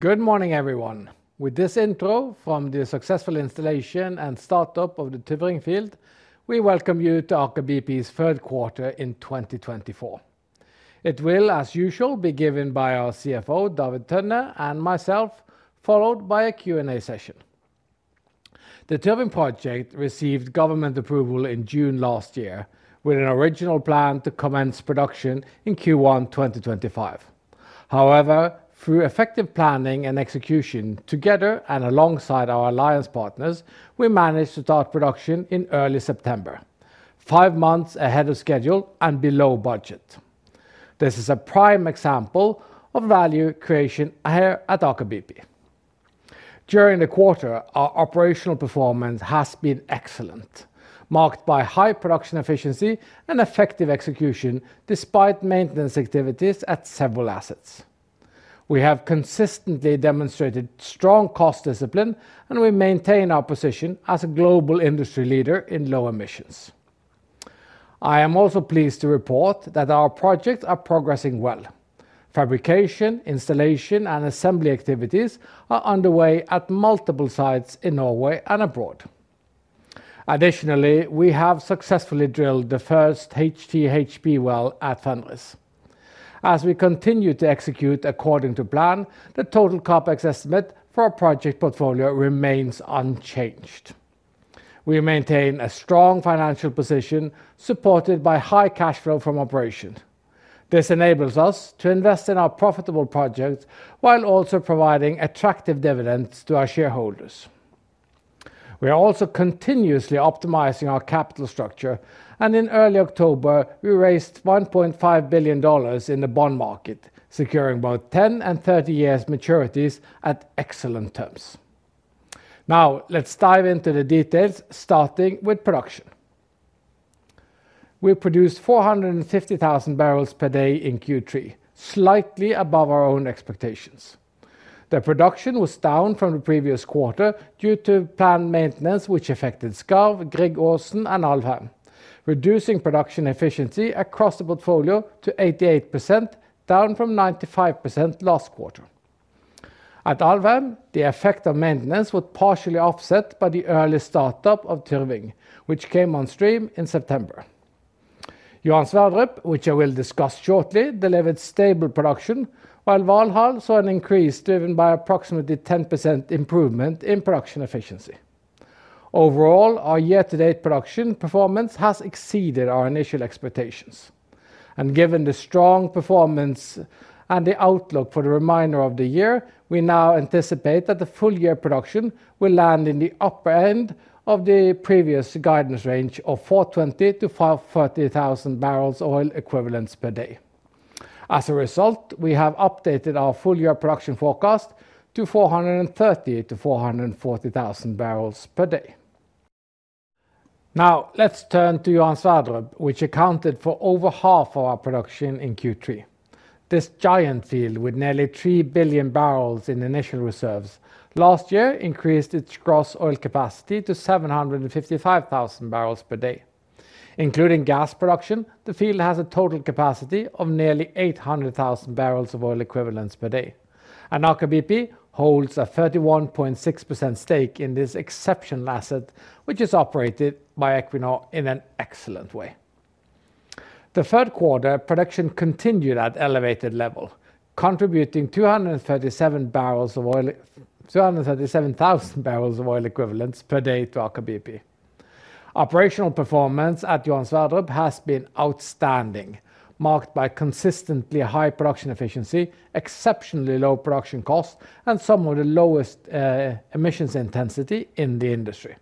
Good morning, everyone. With this intro from the successful installation and startup of the Tyrving Field, we welcome you to Aker BP's third quarter in 2024. It will, as usual, be given by our CFO, David Tønne, and myself, followed by a Q&A session. The Tyrving Project received government approval in June last year, with an original plan to commence production in Q1 2025. However, through effective planning and execution together and alongside our alliance partners, we managed to start production in early September, five months ahead of schedule and below budget. This is a prime example of value creation here at Aker BP. During the quarter, our operational performance has been excellent, marked by high production efficiency and effective execution despite maintenance activities at several assets. We have consistently demonstrated strong cost discipline, and we maintain our position as a global industry leader in low emissions. I am also pleased to report that our projects are progressing well. Fabrication, installation, and assembly activities are underway at multiple sites in Norway and abroad. Additionally, we have successfully drilled the first HTHP well at Fenris. As we continue to execute according to plan, the total CAPEX estimate for our project portfolio remains unchanged. We maintain a strong financial position supported by high cash flow from operations. This enables us to invest in our profitable projects while also providing attractive dividends to our shareholders. We are also continuously optimizing our capital structure, and in early October, we raised $1.5 billion in the bond market, securing both 10 and 30 years maturities at excellent terms. Now, let's dive into the details, starting with production. We produced 450,000 barrels per day in Q3, slightly above our own expectations. The production was down from the previous quarter due to planned maintenance, which affected Skarv, Grieg, Aasen, and Alvheim, reducing production efficiency across the portfolio to 88%, down from 95% last quarter. At Alvheim, the effect of maintenance was partially offset by the early startup of Tyrving, which came on stream in September. Johan Sverdrup, which I will discuss shortly, delivered stable production, while Valhall saw an increase driven by approximately 10% improvement in production efficiency. Overall, our year-to-date production performance has exceeded our initial expectations. And given the strong performance and the outlook for the remainder of the year, we now anticipate that the full-year production will land in the upper end of the previous guidance range of 420,000-530,000 barrels oil equivalents per day. As a result, we have updated our full-year production forecast to 430,000-440,000 barrels per day. Now, let's turn to Johan Sverdrup, which accounted for over half of our production in Q3. This giant field, with nearly 3 billion barrels in initial reserves, last year increased its gross oil capacity to 755,000 barrels per day. Including gas production, the field has a total capacity of nearly 800,000 barrels of oil equivalents per day. And Aker BP holds a 31.6% stake in this exceptional asset, which is operated by Equinor in an excellent way. The third quarter production continued at an elevated level, contributing 237,000 barrels of oil equivalents per day to Aker BP. Operational performance at Johan Sverdrup has been outstanding, marked by consistently high production efficiency, exceptionally low production costs, and some of the lowest emissions intensity in the industry.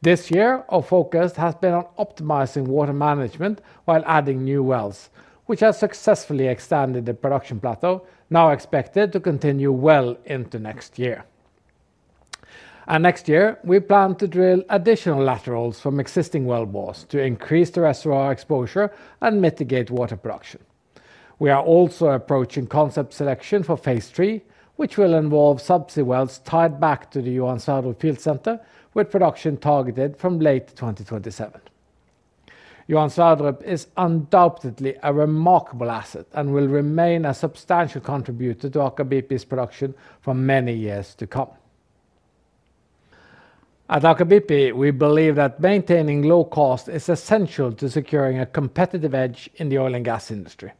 This year, our focus has been on optimizing water management while adding new wells, which has successfully extended the production plateau, now expected to continue well into next year. And next year, we plan to drill additional laterals from existing well bores to increase the reservoir exposure and mitigate water production. We are also approaching concept selection for phase three, which will involve subsea wells tied back to the Johan Sverdrup Field Center, with production targeted from late 2027. Johan Sverdrup is undoubtedly a remarkable asset and will remain a substantial contributor to Aker BP's production for many years to come. At Aker BP, we believe that maintaining low cost is essential to securing a competitive edge in the oil and gas industry.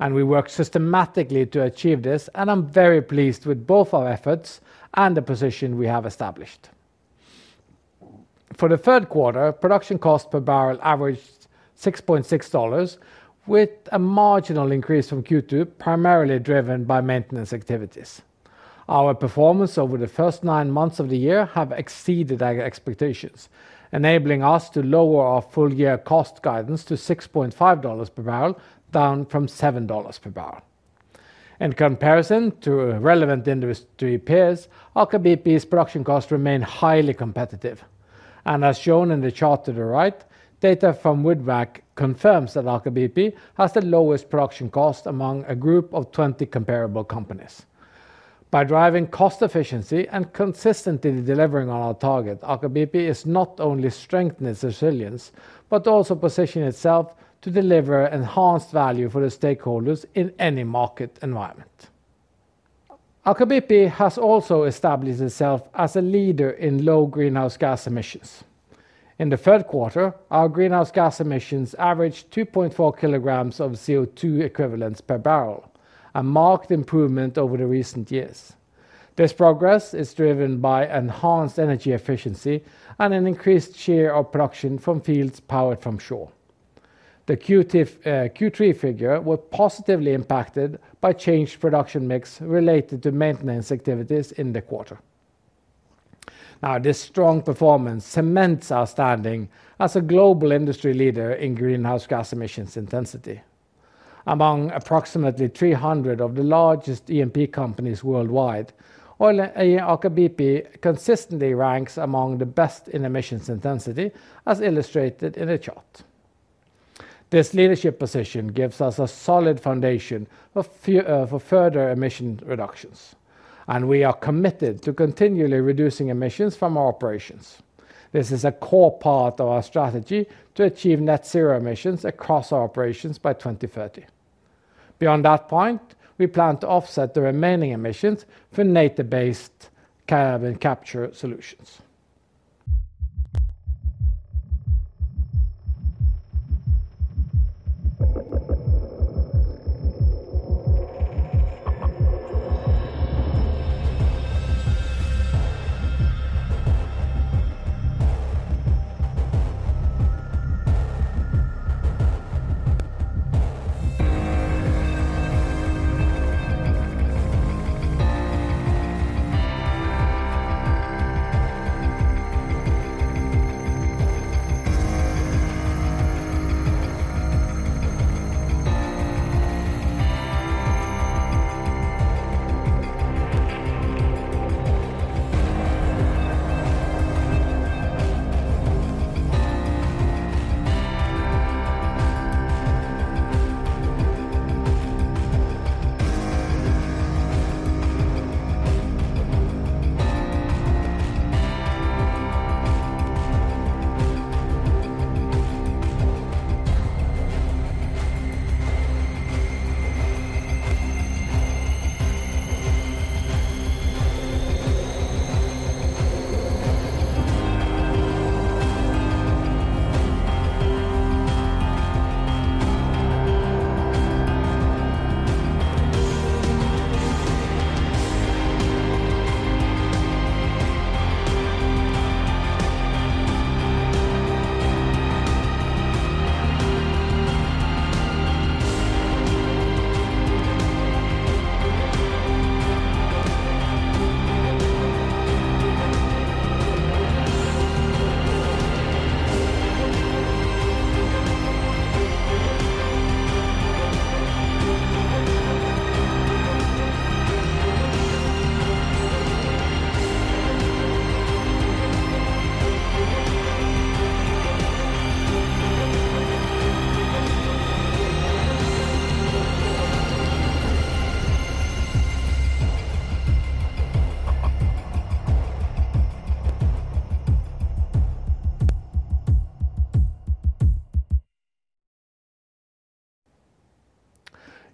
And we work systematically to achieve this, and I'm very pleased with both our efforts and the position we have established. For the third quarter, production cost per barrel averaged $6.6, with a marginal increase from Q2, primarily driven by maintenance activities. Our performance over the first nine months of the year has exceeded our expectations, enabling us to lower our full-year cost guidance to $6.5 per barrel, down from $7 per barrel. In comparison to relevant industry peers, Aker BP's production costs remain highly competitive. And as shown in the chart to the right, data from WoodMac confirms that Aker BP has the lowest production cost among a group of 20 comparable companies. By driving cost efficiency and consistently delivering on our target, Aker BP is not only strengthening its resilience, but also positioning itself to deliver enhanced value for the stakeholders in any market environment. Aker BP has also established itself as a leader in low greenhouse gas emissions. In the third quarter, our greenhouse gas emissions averaged 2.4 kilograms of CO2 equivalents per barrel, a marked improvement over the recent years. This progress is driven by enhanced energy efficiency and an increased share of production from fields powered from shore. The Q3 figure was positively impacted by changed production mix related to maintenance activities in the quarter. Now, this strong performance cements our standing as a global industry leader in greenhouse gas emissions intensity. Among approximately 300 of the largest E&P companies worldwide, Aker BP consistently ranks among the best in emissions intensity, as illustrated in the chart. This leadership position gives us a solid foundation for further emission reductions, and we are committed to continually reducing emissions from our operations. This is a core part of our strategy to achieve net zero emissions across our operations by 2030. Beyond that point, we plan to offset the remaining emissions for nature-based carbon capture solutions.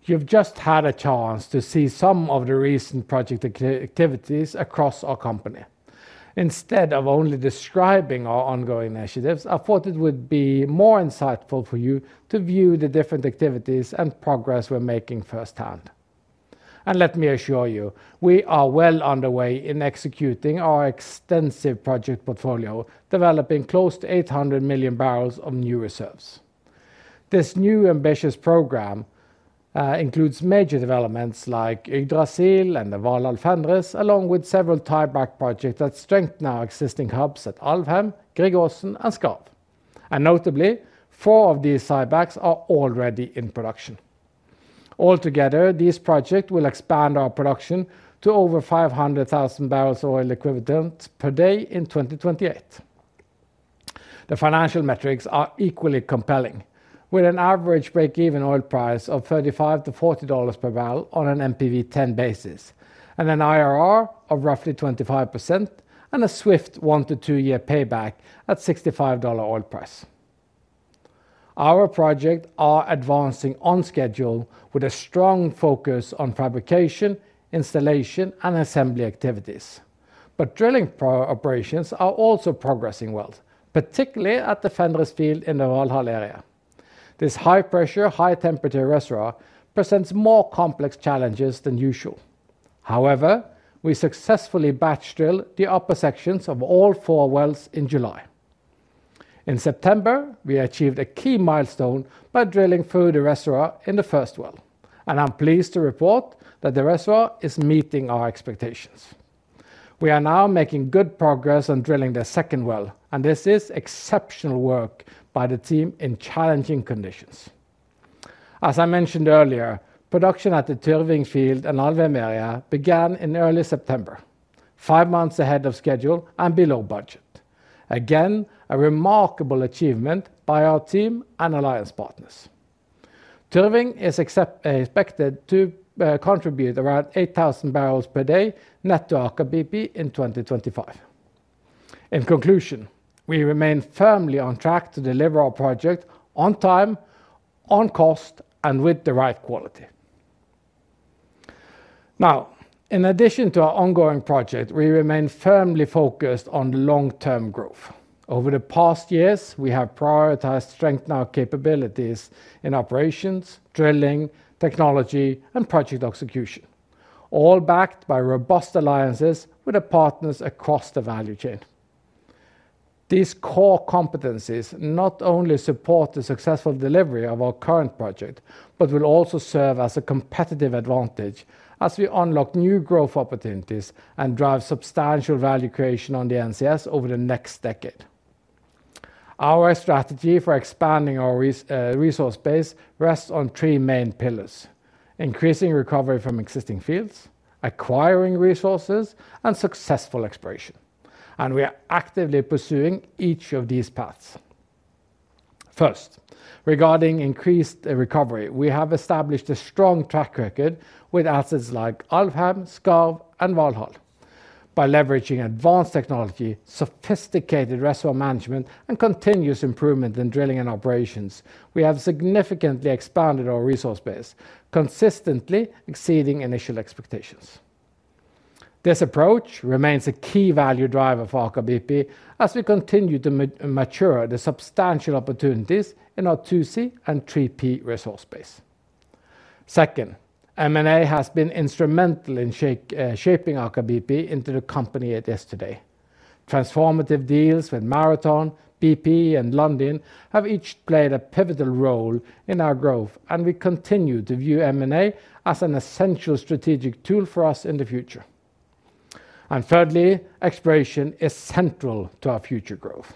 You've just had a chance to see some of the recent project activities across our company. Instead of only describing our ongoing initiatives, I thought it would be more insightful for you to view the different activities and progress we're making firsthand, and let me assure you, we are well underway in executing our extensive project portfolio, developing close to 800 million barrels of new reserves. This new ambitious program includes major developments like Yggdrasil and the Valhall Fenris, along with several tieback projects that strengthen our existing hubs at Alvheim, Grieg-Aasen, and Skarv, and notably, four of these tiebacks are already in production. Altogether, these projects will expand our production to over 500,000 barrels of oil equivalents per day in 2028. The financial metrics are equally compelling, with an average break-even oil price of $35-$40 per barrel on an NPV 10 basis, an IRR of roughly 25%, and a swift one- to two-year payback at $65 oil price. Our projects are advancing on schedule, with a strong focus on fabrication, installation, and assembly activities, but drilling operations are also progressing well, particularly at the Fenris field in the Valhall area. This high-pressure, high-temperature reservoir presents more complex challenges than usual. However, we successfully batch-drilled the upper sections of all four wells in July. In September, we achieved a key milestone by drilling through the reservoir in the first well, and I'm pleased to report that the reservoir is meeting our expectations. We are now making good progress on drilling the second well, and this is exceptional work by the team in challenging conditions. As I mentioned earlier, production at the Tyrving field and Alvheim area began in early September, five months ahead of schedule and below budget. Again, a remarkable achievement by our team and alliance partners. Tyrving is expected to contribute around 8,000 barrels per day net to Aker BP in 2025. In conclusion, we remain firmly on track to deliver our project on time, on cost, and with the right quality. Now, in addition to our ongoing project, we remain firmly focused on long-term growth. Over the past years, we have prioritized strengthening our capabilities in operations, drilling, technology, and project execution, all backed by robust alliances with our partners across the value chain. These core competencies not only support the successful delivery of our current project, but will also serve as a competitive advantage as we unlock new growth opportunities and drive substantial value creation on the NCS over the next decade. Our strategy for expanding our resource base rests on three main pillars: increasing recovery from existing fields, acquiring resources, and successful exploration. We are actively pursuing each of these paths. First, regarding increased recovery, we have established a strong track record with assets like Alvheim, Skarv, and Valhall. By leveraging advanced technology, sophisticated reservoir management, and continuous improvement in drilling and operations, we have significantly expanded our resource base, consistently exceeding initial expectations. This approach remains a key value driver for Aker BP as we continue to mature the substantial opportunities in our 2C and 3P resource base. Second, M&A has been instrumental in shaping Aker BP into the company it is today. Transformative deals with Marathon, BP, and Lundin have each played a pivotal role in our growth, and we continue to view M&A as an essential strategic tool for us in the future. Thirdly, exploration is central to our future growth.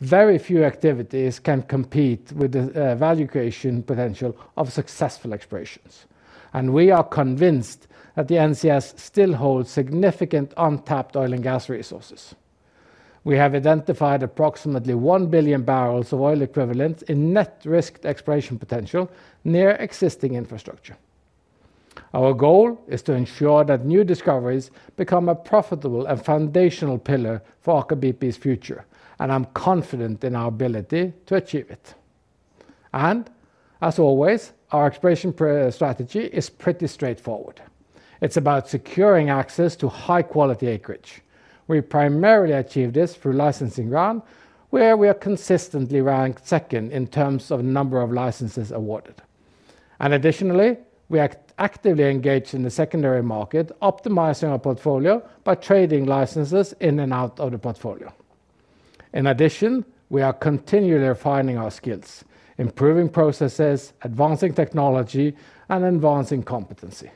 Very few activities can compete with the value creation potential of successful explorations. We are convinced that the NCS still holds significant untapped oil and gas resources. We have identified approximately 1 billion barrels of oil equivalents in net risked exploration potential near existing infrastructure. Our goal is to ensure that new discoveries become a profitable and foundational pillar for Aker BP's future, and I'm confident in our ability to achieve it. As always, our exploration strategy is pretty straightforward. It's about securing access to high-quality acreage. We primarily achieve this through licensing rounds, where we are consistently ranked second in terms of number of licenses awarded, and additionally, we are actively engaged in the secondary market, optimizing our portfolio by trading licenses in and out of the portfolio. In addition, we are continually refining our skills, improving processes, advancing technology, and advancing competency.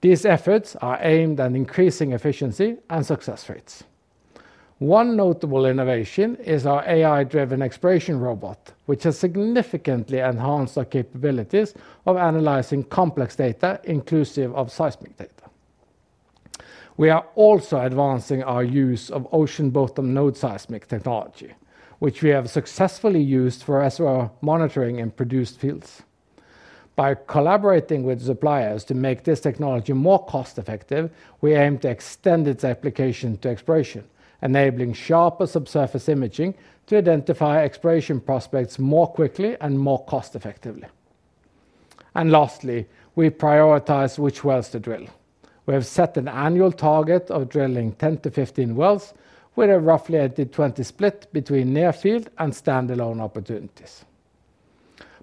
These efforts are aimed at increasing efficiency and success rates. One notable innovation is our AI-driven exploration robot, which has significantly enhanced our capabilities of analyzing complex data, inclusive of seismic data. We are also advancing our use of ocean-bottom node seismic technology, which we have successfully used for reservoir monitoring in produced fields. By collaborating with suppliers to make this technology more cost-effective, we aim to extend its application to exploration, enabling sharper subsurface imaging to identify exploration prospects more quickly and more cost-effectively, and lastly, we prioritize which wells to drill. We have set an annual target of drilling 10 to 15 wells, with a roughly 80-20 split between near-field and standalone opportunities.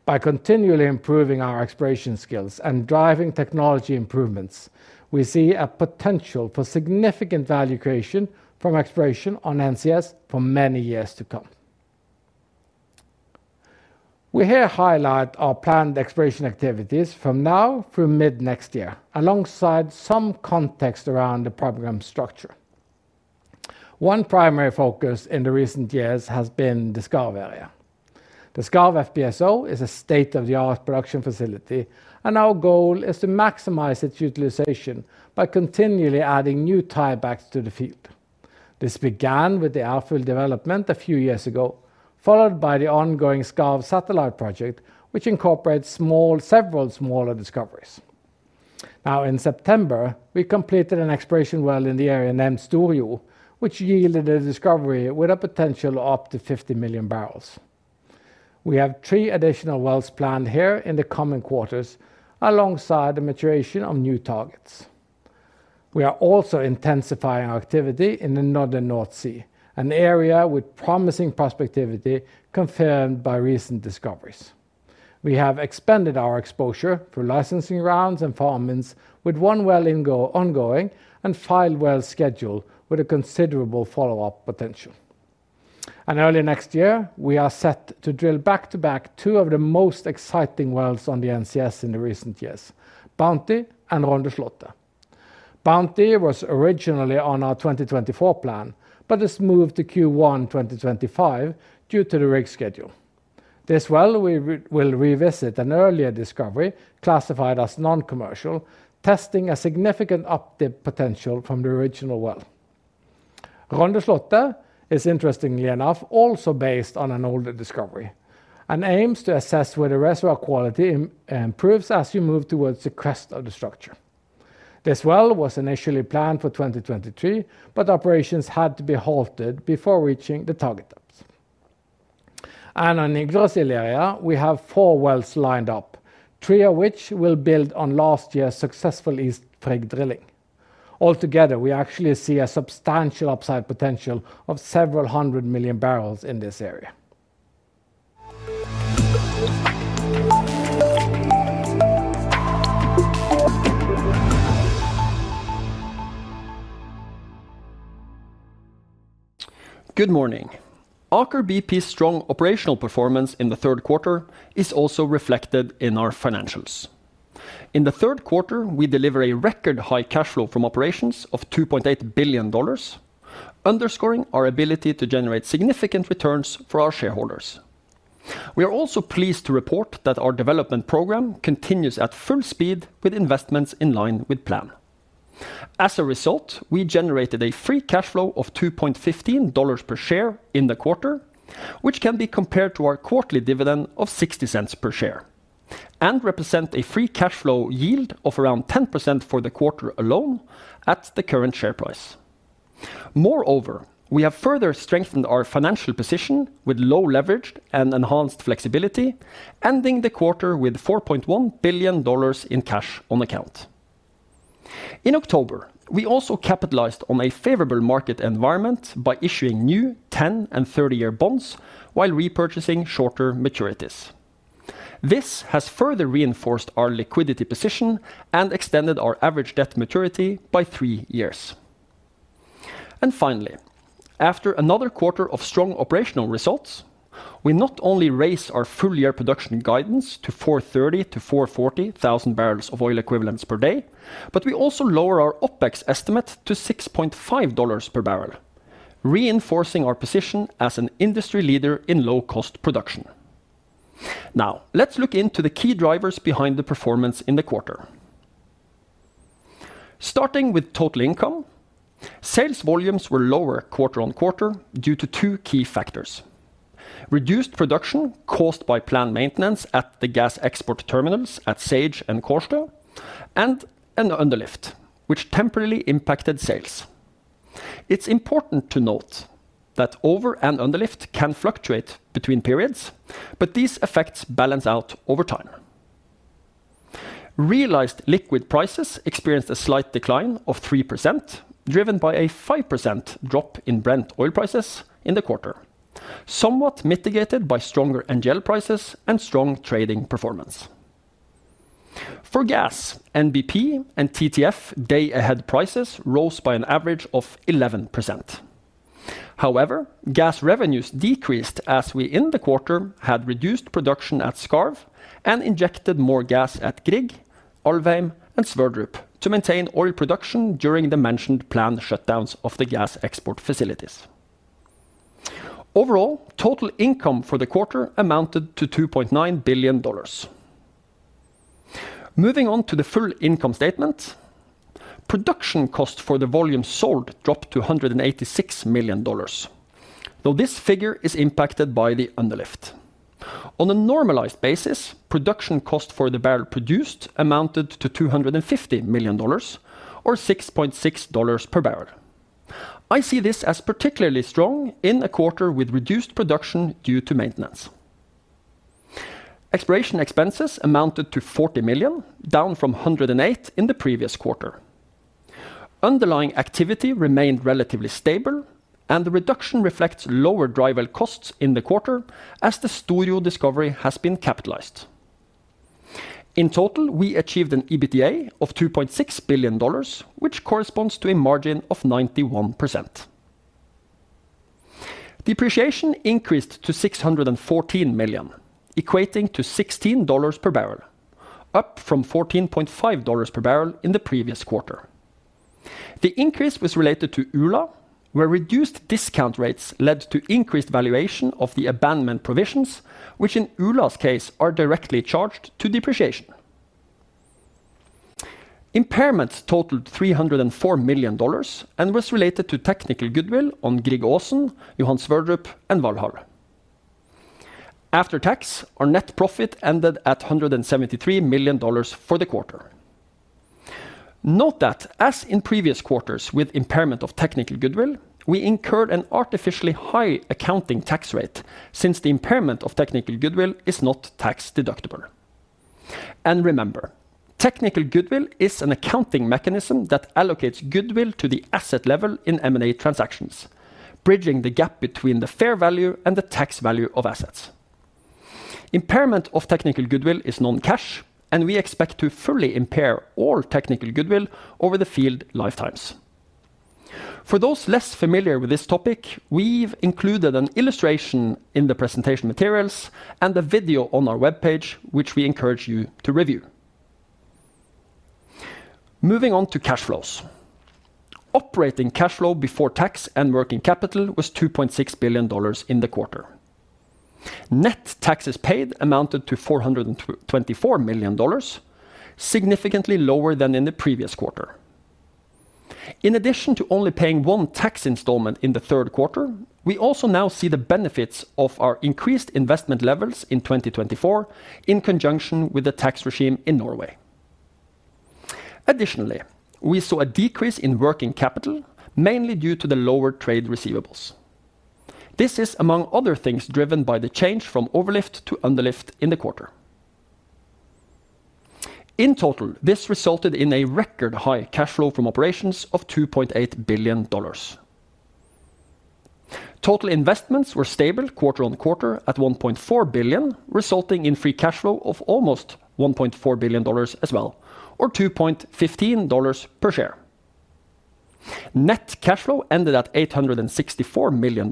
By continually improving our exploration skills and driving technology improvements, we see a potential for significant value creation from exploration on NCS for many years to come. We here highlight our planned exploration activities from now through mid-next year, alongside some context around the program structure. One primary focus in the recent years has been the Skarv area. The Skarv FPSO is a state-of-the-art production facility, and our goal is to maximize its utilization by continually adding new tiebacks to the field. This began with the Ærfugl development a few years ago, followed by the ongoing Skarv satellite project, which incorporates several smaller discoveries. Now, in September, we completed an exploration well in the area named Storjo, which yielded a discovery with a potential of up to 50 million barrels. We have three additional wells planned here in the coming quarters, alongside the maturation of new targets. We are also intensifying our activity in the northern North Sea, an area with promising prospectivity confirmed by recent discoveries. We have expanded our exposure through licensing rounds and farmings, with one well ongoing and five wells scheduled with a considerable follow-up potential, and early next year, we are set to drill back-to-back two of the most exciting wells on the NCS in the recent years, Bounty and Rondeslottet. Bounty was originally on our 2024 plan, but it's moved to Q1 2025 due to the rig schedule. This well, we will revisit an earlier discovery classified as non-commercial, testing a significant update potential from the original well. Rondeslottet is, interestingly enough, also based on an older discovery and aims to assess where the reservoir quality improves as you move towards the crest of the structure. This well was initially planned for 2023, but operations had to be halted before reaching the target depths. On Yggdrasil area, we have four wells lined up, three of which will build on last year's successful East Frigg drilling. Altogether, we actually see a substantial upside potential of several hundred million barrels in this area. Good morning. Aker BP's strong operational performance in the third quarter is also reflected in our financials. In the third quarter, we deliver a record high cash flow from operations of $2.8 billion, underscoring our ability to generate significant returns for our shareholders. We are also pleased to report that our development program continues at full speed, with investments in line with plan. As a result, we generated a free cash flow of $2.15 per share in the quarter, which can be compared to our quarterly dividend of $0.60 per share and represents a free cash flow yield of around 10% for the quarter alone at the current share price. Moreover, we have further strengthened our financial position with low leverage and enhanced flexibility, ending the quarter with $4.1 billion in cash on account. In October, we also capitalized on a favorable market environment by issuing new 10 and 30-year bonds while repurchasing shorter maturities. This has further reinforced our liquidity position and extended our average debt maturity by three years. Finally, after another quarter of strong operational results, we not only raise our full-year production guidance to 4,030 to 4,040,000 barrels of oil equivalents per day, but we also lower our OPEX estimate to $6.5 per barrel, reinforcing our position as an industry leader in low-cost production. Now, let's look into the key drivers behind the performance in the quarter. Starting with total income, sales volumes were lower quarter on quarter due to two key factors: reduced production caused by planned maintenance at the gas export terminals at SAGE and Kårstø, and an underlift, which temporarily impacted sales. It's important to note that over and underlift can fluctuate between periods, but these effects balance out over time. Realized liquid prices experienced a slight decline of 3%, driven by a 5% drop in Brent oil prices in the quarter, somewhat mitigated by stronger NGL prices and strong trading performance. For gas, NBP and TTF day-ahead prices rose by an average of 11%. However, gas revenues decreased as we in the quarter had reduced production at Skarv and injected more gas at Grieg, Alvheim, and Sverdrup to maintain oil production during the mentioned planned shutdowns of the gas export facilities. Overall, total income for the quarter amounted to $2.9 billion. Moving on to the full income statement, production cost for the volume sold dropped to $186 million, though this figure is impacted by the underlift. On a normalized basis, production cost for the barrel produced amounted to $250 million, or $6.6 per barrel. I see this as particularly strong in a quarter with reduced production due to maintenance. Exploration expenses amounted to $40 million, down from $108 in the previous quarter. Underlying activity remained relatively stable, and the reduction reflects lower dry well costs in the quarter as the Storjo discovery has been capitalized. In total, we achieved an EBITDA of $2.6 billion, which corresponds to a margin of 91%. Depreciation increased to $614 million, equating to $16 per barrel, up from $14.5 per barrel in the previous quarter. The increase was related to Ula, where reduced discount rates led to increased valuation of the abandonment provisions, which in Ula's case are directly charged to depreciation. Impairment totaled $304 million and was related to technical goodwill on Grieg, Aasen, Johan Sverdrup, and Valhall. After tax, our net profit ended at $173 million for the quarter. Note that, as in previous quarters with impairment of technical goodwill, we incurred an artificially high accounting tax rate since the impairment of technical goodwill is not tax deductible. And remember, technical goodwill is an accounting mechanism that allocates goodwill to the asset level in M&A transactions, bridging the gap between the fair value and the tax value of assets. Impairment of technical goodwill is non-cash, and we expect to fully impair all technical goodwill over the field lifetimes. For those less familiar with this topic, we've included an illustration in the presentation materials and a video on our webpage, which we encourage you to review. Moving on to cash flows. Operating cash flow before tax and working capital was $2.6 billion in the quarter. Net taxes paid amounted to $424 million, significantly lower than in the previous quarter. In addition to only paying one tax installment in the third quarter, we also now see the benefits of our increased investment levels in 2024 in conjunction with the tax regime in Norway. Additionally, we saw a decrease in working capital, mainly due to the lower trade receivables. This is, among other things, driven by the change from overlift to underlift in the quarter. In total, this resulted in a record high cash flow from operations of $2.8 billion. Total investments were stable quarter on quarter at $1.4 billion, resulting in free cash flow of almost $1.4 billion as well, or $2.15 per share. Net cash flow ended at $864 million,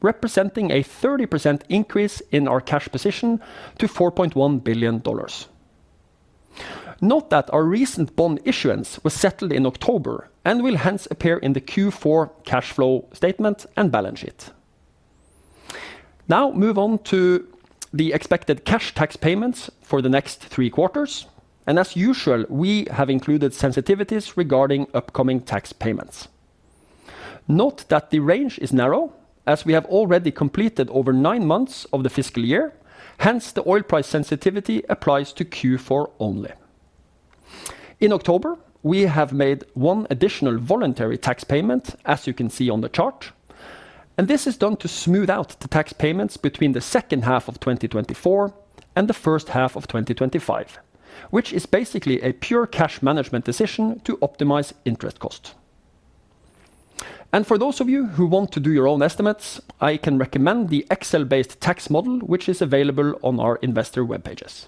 representing a 30% increase in our cash position to $4.1 billion. Note that our recent bond issuance was settled in October and will hence appear in the Q4 cash flow statement and balance sheet. Now, move on to the expected cash tax payments for the next three quarters, and as usual, we have included sensitivities regarding upcoming tax payments. Note that the range is narrow, as we have already completed over nine months of the fiscal year. Hence, the oil price sensitivity applies to Q4 only. In October, we have made one additional voluntary tax payment, as you can see on the chart. And this is done to smooth out the tax payments between the second half of 2024 and the first half of 2025, which is basically a pure cash management decision to optimize interest cost. And for those of you who want to do your own estimates, I can recommend the Excel-based tax model, which is available on our investor webpages.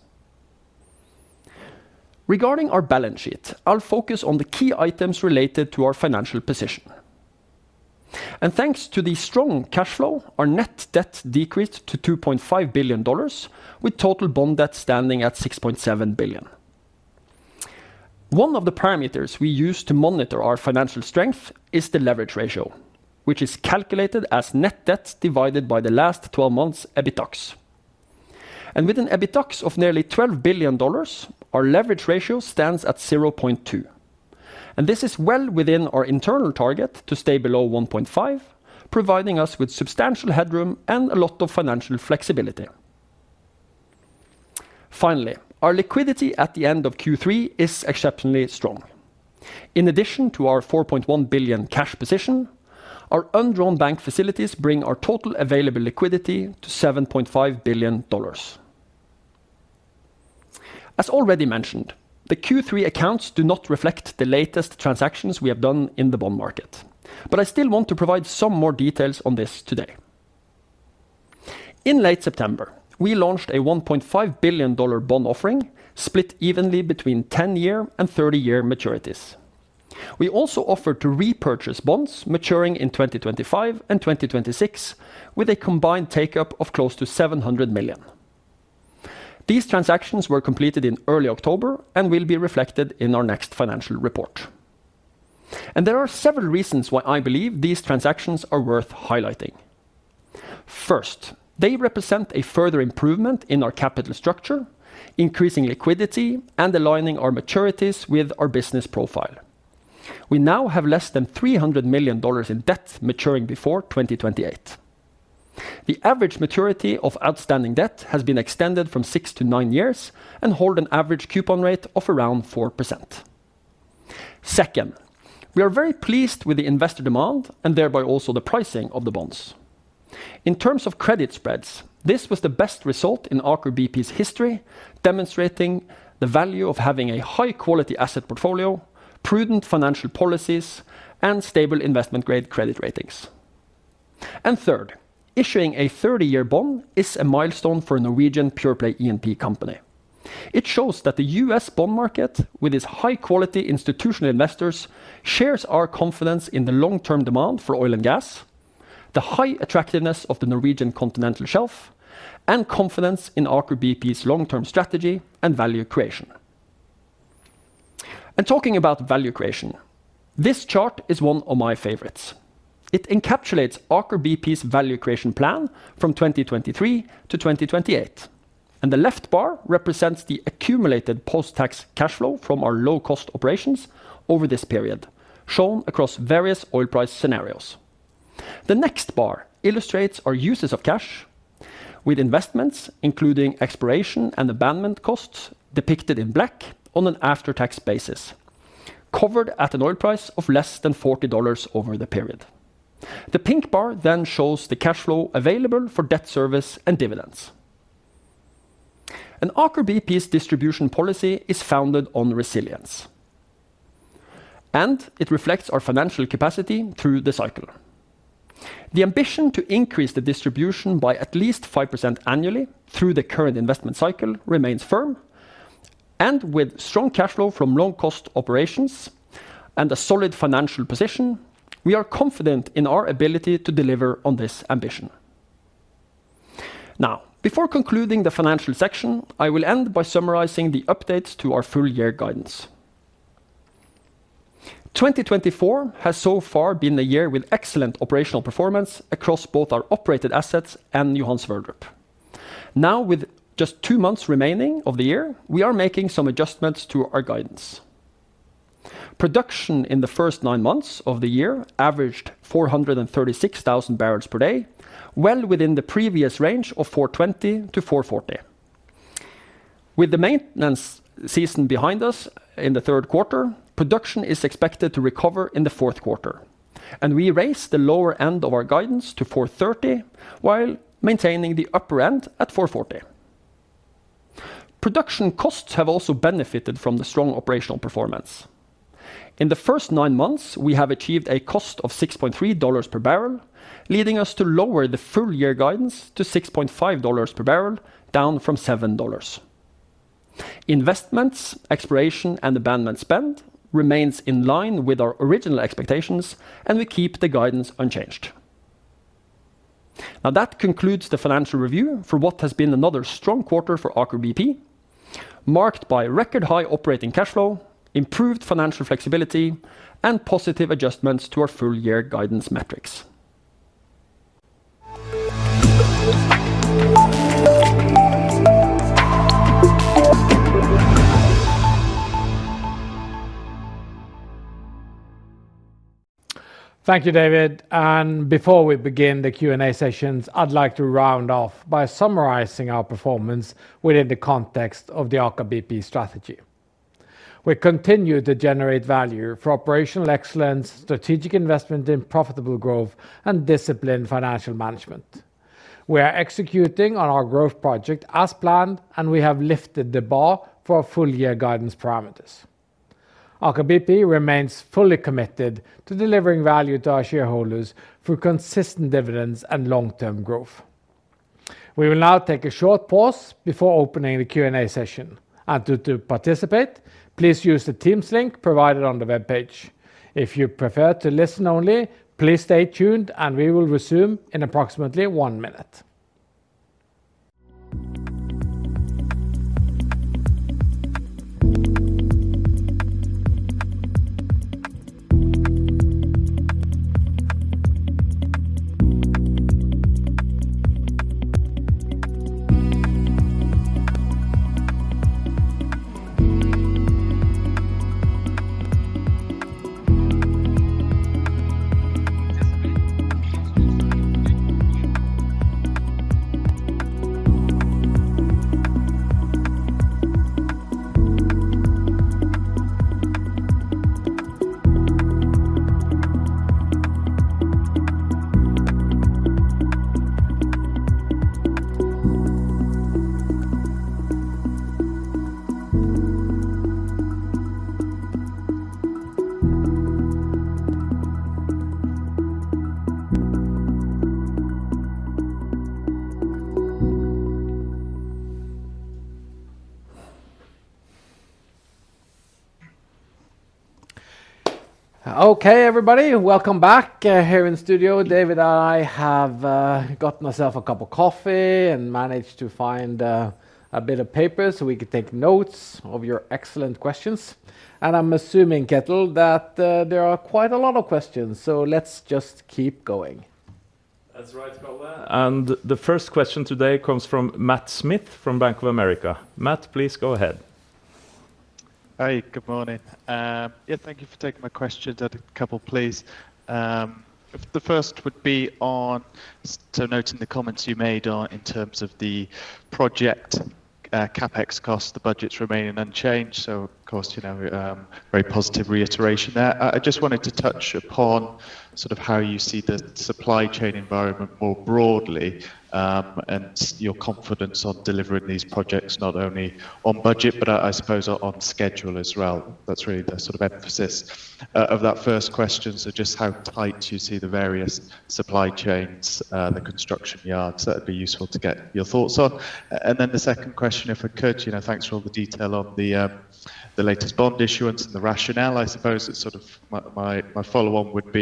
Regarding our balance sheet, I'll focus on the key items related to our financial position. And thanks to the strong cash flow, our net debt decreased to $2.5 billion, with total bond debt standing at $6.7 billion. One of the parameters we use to monitor our financial strength is the leverage ratio, which is calculated as net debt divided by the last 12 months' EBITDAX. And with an EBITDAX of nearly $12 billion, our leverage ratio stands at 0.2. And this is well within our internal target to stay below 1.5, providing us with substantial headroom and a lot of financial flexibility. Finally, our liquidity at the end of Q3 is exceptionally strong. In addition to our $4.1 billion cash position, our undrawn bank facilities bring our total available liquidity to $7.5 billion. As already mentioned, the Q3 accounts do not reflect the latest transactions we have done in the bond market, but I still want to provide some more details on this today. In late September, we launched a $1.5 billion bond offering split evenly between 10-year and 30-year maturities. We also offered to repurchase bonds maturing in 2025 and 2026, with a combined take-up of close to $700 million. These transactions were completed in early October and will be reflected in our next financial report, and there are several reasons why I believe these transactions are worth highlighting. First, they represent a further improvement in our capital structure, increasing liquidity, and aligning our maturities with our business profile. We now have less than $300 million in debt maturing before 2028. The average maturity of outstanding debt has been extended from six to nine years and holds an average coupon rate of around 4%. Second, we are very pleased with the investor demand and thereby also the pricing of the bonds. In terms of credit spreads, this was the best result in Aker BP's history, demonstrating the value of having a high-quality asset portfolio, prudent financial policies, and stable investment-grade credit ratings, and third, issuing a 30-year bond is a milestone for a Norwegian pure-play E&P company. It shows that the US bond market, with its high-quality institutional investors, shares our confidence in the long-term demand for oil and gas, the high attractiveness of the Norwegian Continental Shelf, and confidence in Aker BP's long-term strategy and value creation, and talking about value creation, this chart is one of my favorites. It encapsulates Aker BP's value creation plan from 2023 to 2028, and the left bar represents the accumulated post-tax cash flow from our low-cost operations over this period, shown across various oil price scenarios. The next bar illustrates our uses of cash, with investments, including exploration and abandonment costs, depicted in black on an after-tax basis, covered at an oil price of less than $40 over the period. The pink bar then shows the cash flow available for debt service and dividends, and Aker BP's distribution policy is founded on resilience, and it reflects our financial capacity through the cycle. The ambition to increase the distribution by at least 5% annually through the current investment cycle remains firm, and with strong cash flow from low-cost operations and a solid financial position, we are confident in our ability to deliver on this ambition. Now, before concluding the financial section, I will end by summarizing the updates to our full-year guidance. 2024 has so far been a year with excellent operational performance across both our operated assets and Johan Sverdrup. Now, with just two months remaining of the year, we are making some adjustments to our guidance. Production in the first nine months of the year averaged 436,000 barrels per day, well within the previous range of 420-440. With the maintenance season behind us in the third quarter, production is expected to recover in the fourth quarter. We raised the lower end of our guidance to 430 while maintaining the upper end at 440. Production costs have also benefited from the strong operational performance. In the first nine months, we have achieved a cost of $6.3 per barrel, leading us to lower the full-year guidance to $6.5 per barrel, down from $7. Investments, exploration, and abandonment spend remain in line with our original expectations, and we keep the guidance unchanged. Now, that concludes the financial review for what has been another strong quarter for Aker BP, marked by record-high operating cash flow, improved financial flexibility, and positive adjustments to our full-year guidance metrics. Thank you, David. And before we begin the Q&A sessions, I'd like to round off by summarizing our performance within the context of the Aker BP strategy. We continue to generate value for operational excellence, strategic investment in profitable growth, and disciplined financial management. We are executing on our growth project as planned, and we have lifted the bar for our full-year guidance parameters. Aker BP remains fully committed to delivering value to our shareholders through consistent dividends and long-term growth. We will now take a short pause before opening the Q&A session. And to participate, please use the Teams link provided on the webpage. If you prefer to listen only, please stay tuned, and we will resume in approximately one minute. Okay, everybody, welcome back here in the studio. David and I have got myself a cup of coffee and managed to find a bit of paper so we could take notes of your excellent questions. And I'm assuming, Kjetil, that there are quite a lot of questions, so let's just keep going. That's right, Karl. And the first question today comes from Matt Smith from Bank of America. Matt, please go ahead. Hi, good morning. Yeah, thank you for taking my questions. I'd have a couple, please. The first would be on, so noting the comments you made on in terms of the project CAPEX costs, the budgets remaining unchanged. So, of course, you know, very positive reiteration there. I just wanted to touch upon sort of how you see the supply chain environment more broadly and your confidence on delivering these projects, not only on budget, but I suppose on schedule as well. That's really the sort of emphasis of that first question. So just how tight you see the various supply chains, the construction yards, that would be useful to get your thoughts on. And then the second question, if I could, you know, thanks for all the detail on the latest bond issuance and the rationale, I suppose it's sort of my follow-on would